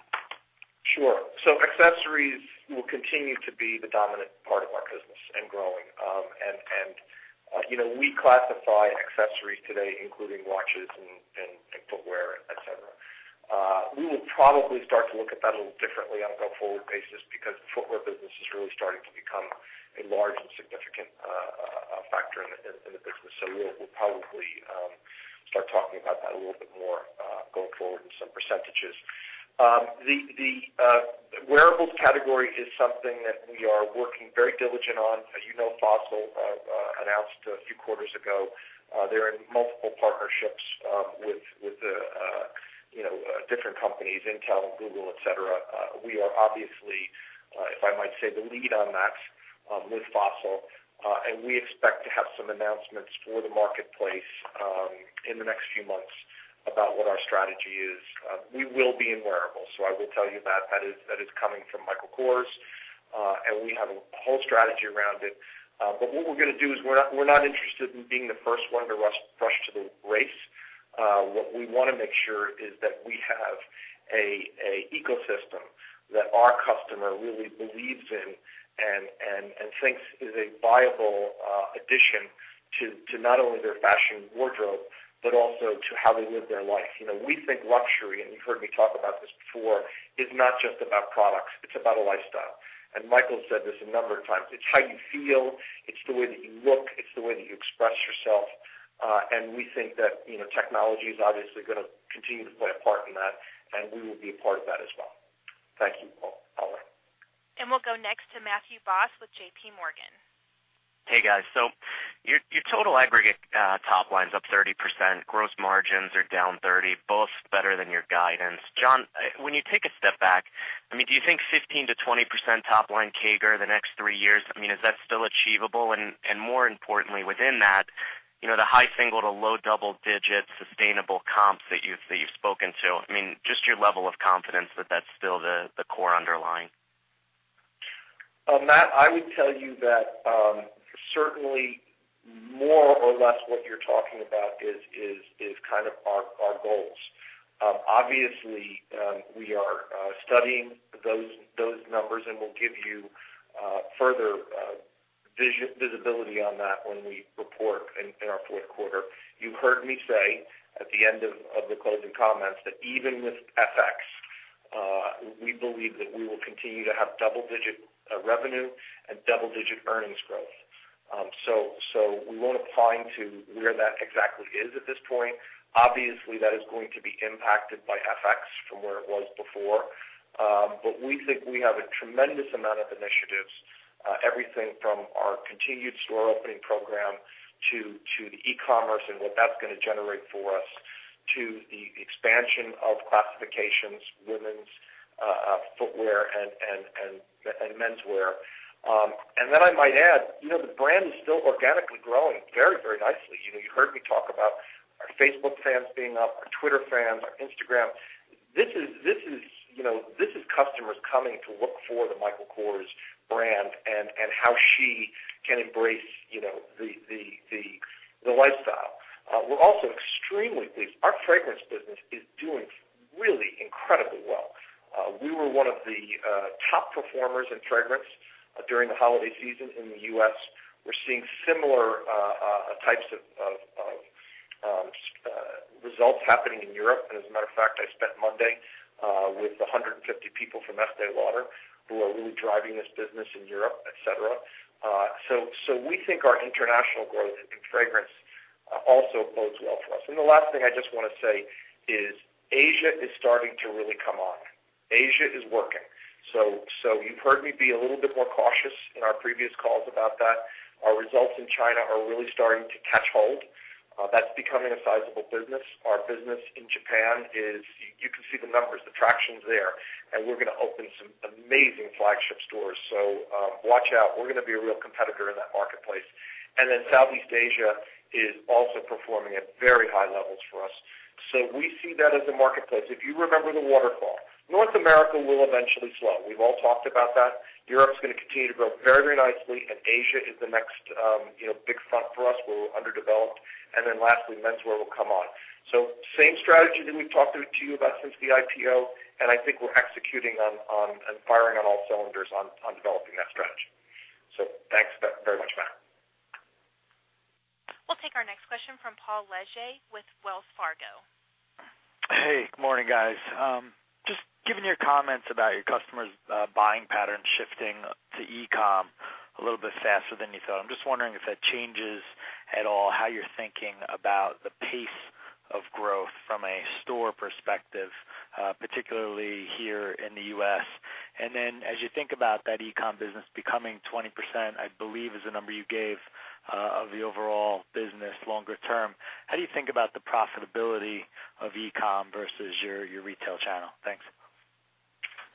Sure. Accessories will continue to be the dominant part of our business and growing. We classify accessories today, including watches and footwear, et cetera. We will probably start to look at that a little differently on a go-forward basis because the footwear business is really starting to become a large and significant factor in the business. We'll probably start talking about that a little bit more going forward in some percentages. The wearables category is something that we are working very diligent on. As you know, Fossil announced a few quarters ago, they're in multiple partnerships with different companies, Intel and Google, et cetera. We are obviously, if I might say, the lead on that with Fossil. We expect to have some announcements for the marketplace in the next few months about what our strategy is. We will be in wearables, so I will tell you that. That is coming from Michael Kors, and we have a whole strategy around it. What we're going to do is we're not interested in being the first one to rush to the race. What we want to make sure is that we have an ecosystem that our customer really believes in and thinks is a viable addition to not only their fashion wardrobe, but also to how they live their life. We think luxury, and you've heard me talk about this before, is not just about products, it's about a lifestyle. Michael said this a number of times. It's how you feel, it's the way that you look, it's the way that you express yourself. We think that technology is obviously going to continue to play a part in that, and we will be a part of that as well. Thank you, Oliver. We'll go next to Matthew Boss with JPMorgan. Hey, guys. Your total aggregate top line's up 30%, gross margins are down 30%, both better than your guidance. John, when you take a step back, do you think 15%-20% top line CAGR the next 3 years, is that still achievable? More importantly within that, the high single to low double digit sustainable comps that you've spoken to. Just your level of confidence that that's still the core underlying? Matt, I would tell you that certainly more or less what you're talking about is our goals. We are studying those numbers, and we'll give you further visibility on that when we report in our fourth quarter. You heard me say at the end of the closing comments that even with FX we believe that we will continue to have double-digit revenue and double-digit earnings growth. We won't opine to where that exactly is at this point. That is going to be impacted by FX from where it was before. We think we have a tremendous amount of initiatives, everything from our continued store opening program to the e-commerce and what that's going to generate for us to the expansion of classifications, women's footwear, and menswear. I might add, the brand is still organically growing very nicely. You heard me talk about our Facebook fans being up, our Twitter fans, our Instagram. This is customers coming to look for the Michael Kors brand and how she can embrace the lifestyle. We're also extremely pleased. Our fragrance business is doing really incredibly well. We were one of the top performers in fragrance during the holiday season in the U.S. We're seeing similar types of results happening in Europe. As a matter of fact, I spent Monday with 150 people from Estée Lauder who are really driving this business in Europe, et cetera. We think our international growth in fragrance also bodes well for us. The last thing I just want to say is Asia is starting to really come on. Asia is working. You've heard me be a little bit more cautious in our previous calls about that. Our results in China are really starting to catch hold. That's becoming a sizable business. Our business in Japan, you can see the numbers, the traction's there, and we're going to open some amazing flagship stores. Watch out. We're going to be a real competitor in that marketplace. Southeast Asia is also performing at very high levels for us. We see that as a marketplace. If you remember the waterfall, North America will eventually slow. We've all talked about that. Europe's going to continue to grow very nicely, and Asia is the next big front for us where we're underdeveloped. Lastly, menswear will come on. Same strategy that we've talked to you about since the IPO, and I think we're executing on and firing on all cylinders on developing that strategy. Thanks very much, Matt. We'll take our next question from Paul Lejuez with Wells Fargo. Hey, good morning, guys. Just given your comments about your customers' buying patterns shifting to e-com a little bit faster than you thought, I'm just wondering if that changes at all how you're thinking about the pace of growth from a store perspective, particularly here in the U.S. As you think about that e-com business becoming 20%, I believe is the number you gave of the overall business longer term, how do you think about the profitability of e-com versus your retail channel? Thanks.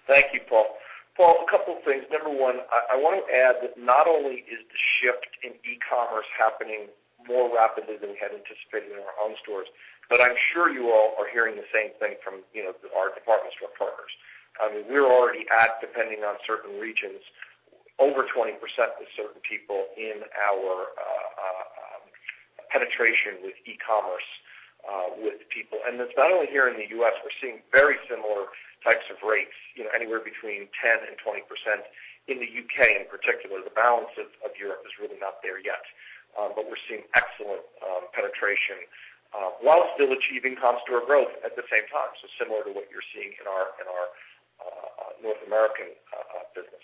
Thank you, Paul. Paul, a couple of things. Number one, I want to add that not only is the shift in e-commerce happening more rapidly than we had anticipated in our own stores, but I'm sure you all are hearing the same thing from our department store partners. I mean, we're already at, depending on certain regions, over 20% with certain people in our penetration with e-commerce with people. It's not only here in the U.S. We're seeing very similar types of rates, anywhere between 10% and 20% in the U.K. in particular. The balance of Europe is really not there yet. We're seeing excellent penetration while still achieving comp store growth at the same time. Similar to what you're seeing in our North American business.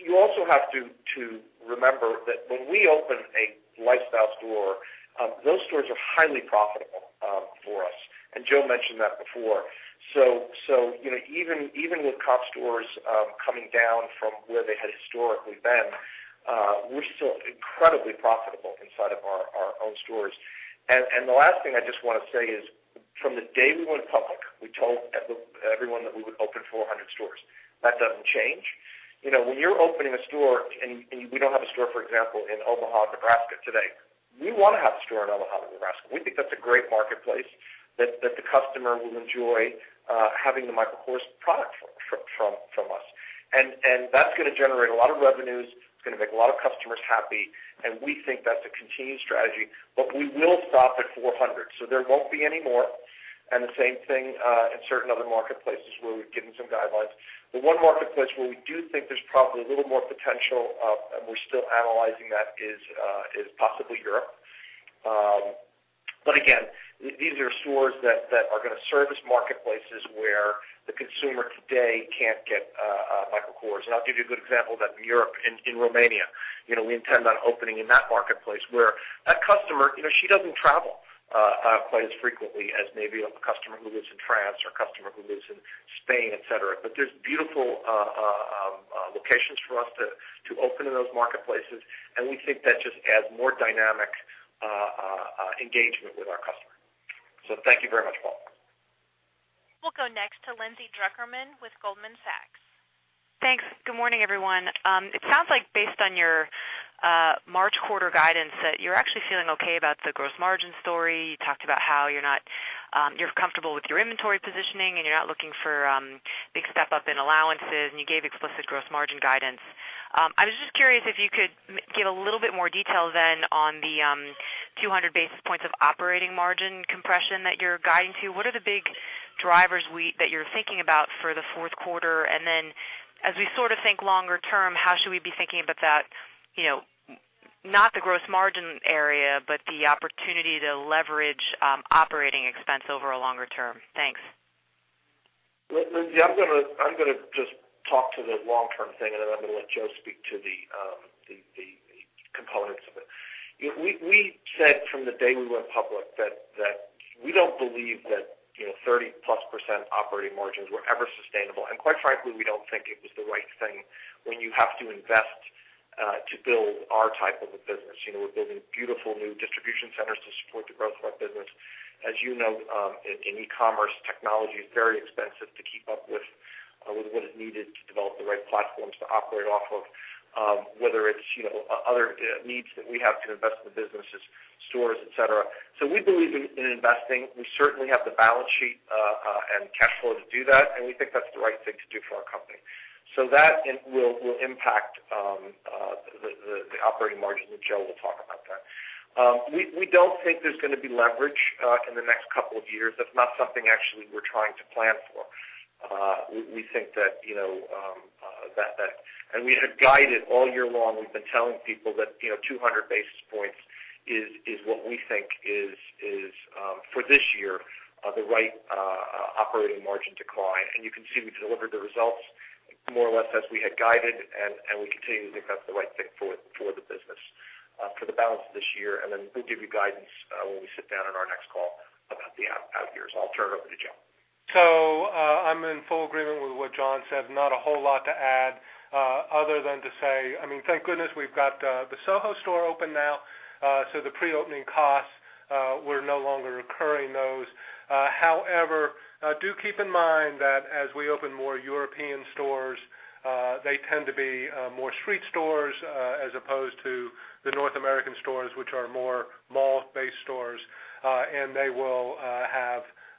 You also have to remember that when we open a lifestyle store, those stores are highly profitable for us, and Joe mentioned that before. Even with comp stores coming down from where they had historically been, we're still incredibly profitable inside of our own stores. The last thing I just want to say is, from the day we went public, we told everyone that we would open 400 stores. That doesn't change. When you're opening a store, and we don't have a store, for example, in Omaha, Nebraska today. We want to have a store in Omaha, Nebraska. We think that's a great marketplace, that the customer will enjoy having the Michael Kors product from us. That's going to generate a lot of revenues. It's going to make a lot of customers happy, and we think that's a continued strategy. We will stop at 400. There won't be any more, and the same thing in certain other marketplaces where we've given some guidelines. The one marketplace where we do think there's probably a little more potential, and we're still analyzing that, is possibly Europe. Again, these are stores that are going to service marketplaces where the consumer today can't get Michael Kors. I'll give you a good example that in Europe, in Romania, we intend on opening in that marketplace where that customer, she doesn't travel quite as frequently as maybe a customer who lives in France or a customer who lives in Spain, et cetera. There's beautiful locations for us to open in those marketplaces, and we think that just adds more dynamic engagement with our customer. Thank you very much, Paul. We'll go next to Lindsay Drucker Mann with Goldman Sachs. Thanks. Good morning, everyone. It sounds like based on your March quarter guidance that you're actually feeling okay about the gross margin story. You talked about how you're comfortable with your inventory positioning, and you're not looking for a big step up in allowances, and you gave explicit gross margin guidance. I was just curious if you could give a little bit more detail then on the 200 basis points of operating margin compression that you're guiding to. What are the big drivers that you're thinking about for the fourth quarter? Then as we sort of think longer term, how should we be thinking about that, you know Not the gross margin area, but the opportunity to leverage operating expense over a longer term. Thanks. Lindsay, I'm going to just talk to the long-term thing, and then I'm going to let Joe speak to the components of it. We said from the day we went public that we don't believe that 30-plus % operating margins were ever sustainable. Quite frankly, we don't think it was the right thing when you have to invest to build our type of a business. We're building beautiful new distribution centers to support the growth of our business. As you know, in e-commerce, technology is very expensive to keep up with what is needed to develop the right platforms to operate off of, whether it's other needs that we have to invest in the business, stores, et cetera. We believe in investing. We certainly have the balance sheet and cash flow to do that, and we think that's the right thing to do for our company. That will impact the operating margin, Joe will talk about that. We don't think there's going to be leverage in the next couple of years. That's not something actually we're trying to plan for. We had guided all year long, we've been telling people that 200 basis points is what we think is, for this year, the right operating margin decline. You can see we delivered the results more or less as we had guided, we continue to think that's the right fit for the business for the balance of this year. We'll give you guidance when we sit down on our next call about the out years. I'll turn it over to Joe. I'm in full agreement with what John said. Not a whole lot to add other than to say, thank goodness we've got the Soho store open now, the pre-opening costs we're no longer recurring those. However, do keep in mind that as we open more European stores, they tend to be more street stores as opposed to the North American stores, which are more mall-based stores. They will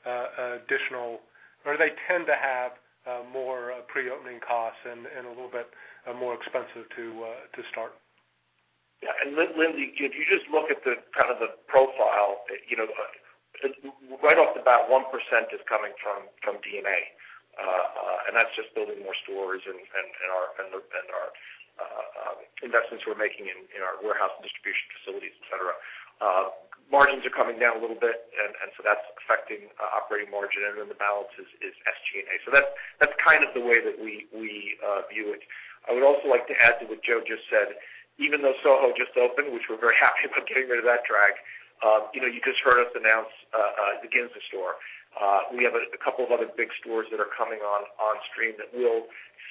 have additional, or they tend to have more pre-opening costs and a little bit more expensive to start. Lindsay, if you just look at the profile, right off the bat, 1% is coming from D&A. That's just building more stores and our investments we're making in our warehouse and distribution facilities, et cetera. Margins are coming down a little bit, that's affecting operating margin. The balance is SG&A. That's kind of the way that we view it. I would also like to add to what Joe just said, even though Soho just opened, which we're very happy about getting rid of that drag. You just heard us announce the Ginza store. We have a couple of other big stores that are coming on stream that will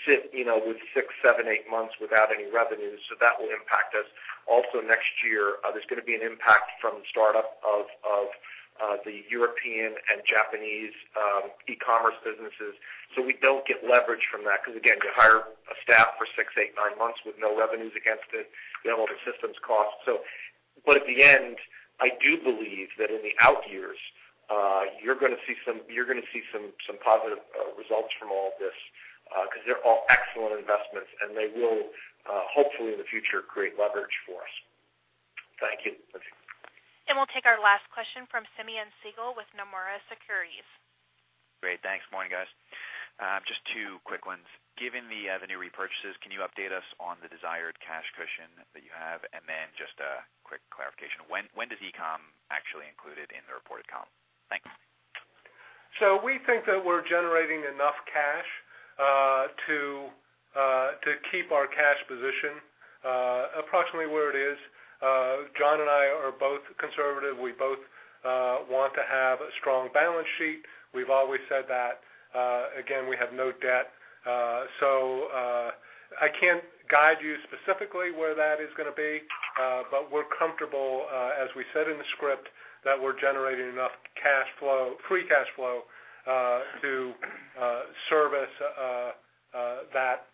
sit with six, seven, eight months without any revenue. That will impact us. Also next year, there's going to be an impact from the startup of the European and Japanese e-commerce businesses. We don't get leverage from that because, again, to hire a staff for six, eight, nine months with no revenues against it, you have all the systems costs. At the end, I do believe that in the out years, you're going to see some positive results from all of this because they're all excellent investments, they will hopefully in the future create leverage for us. Thank you, Lindsay. We'll take our last question from Simeon Siegel with Nomura Securities. Great. Thanks. Morning, guys. Just two quick ones. Given the [avenue repurchases, can you update us on the desired cash cushion that you have? Then just a quick clarification. When does e-com actually include it in the reported comp? Thanks. We think that we're generating enough cash to keep our cash position approximately where it is. John and I are both conservative. We both want to have a strong balance sheet. We've always said that. Again, we have no debt. I can't guide you specifically where that is going to be. We're comfortable as we said in the script, that we're generating enough free cash flow to service that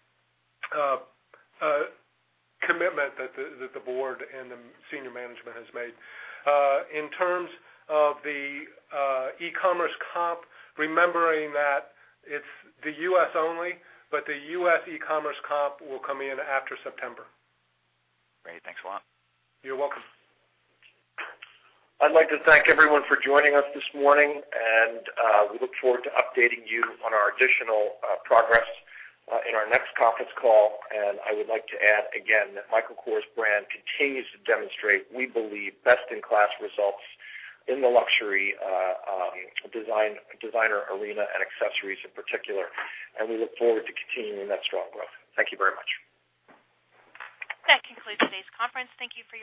commitment that the board and the senior management has made. In terms of the e-commerce comp, remembering that it's the U.S. only, the U.S. e-commerce comp will come in after September. Great. Thanks a lot. You're welcome. I'd like to thank everyone for joining us this morning, we look forward to updating you on our additional progress in our next conference call. I would like to add again that Michael Kors Brand continues to demonstrate, we believe, best-in-class results in the luxury designer arena and accessories in particular, we look forward to continuing that strong growth. Thank you very much. That concludes today's conference. Thank you for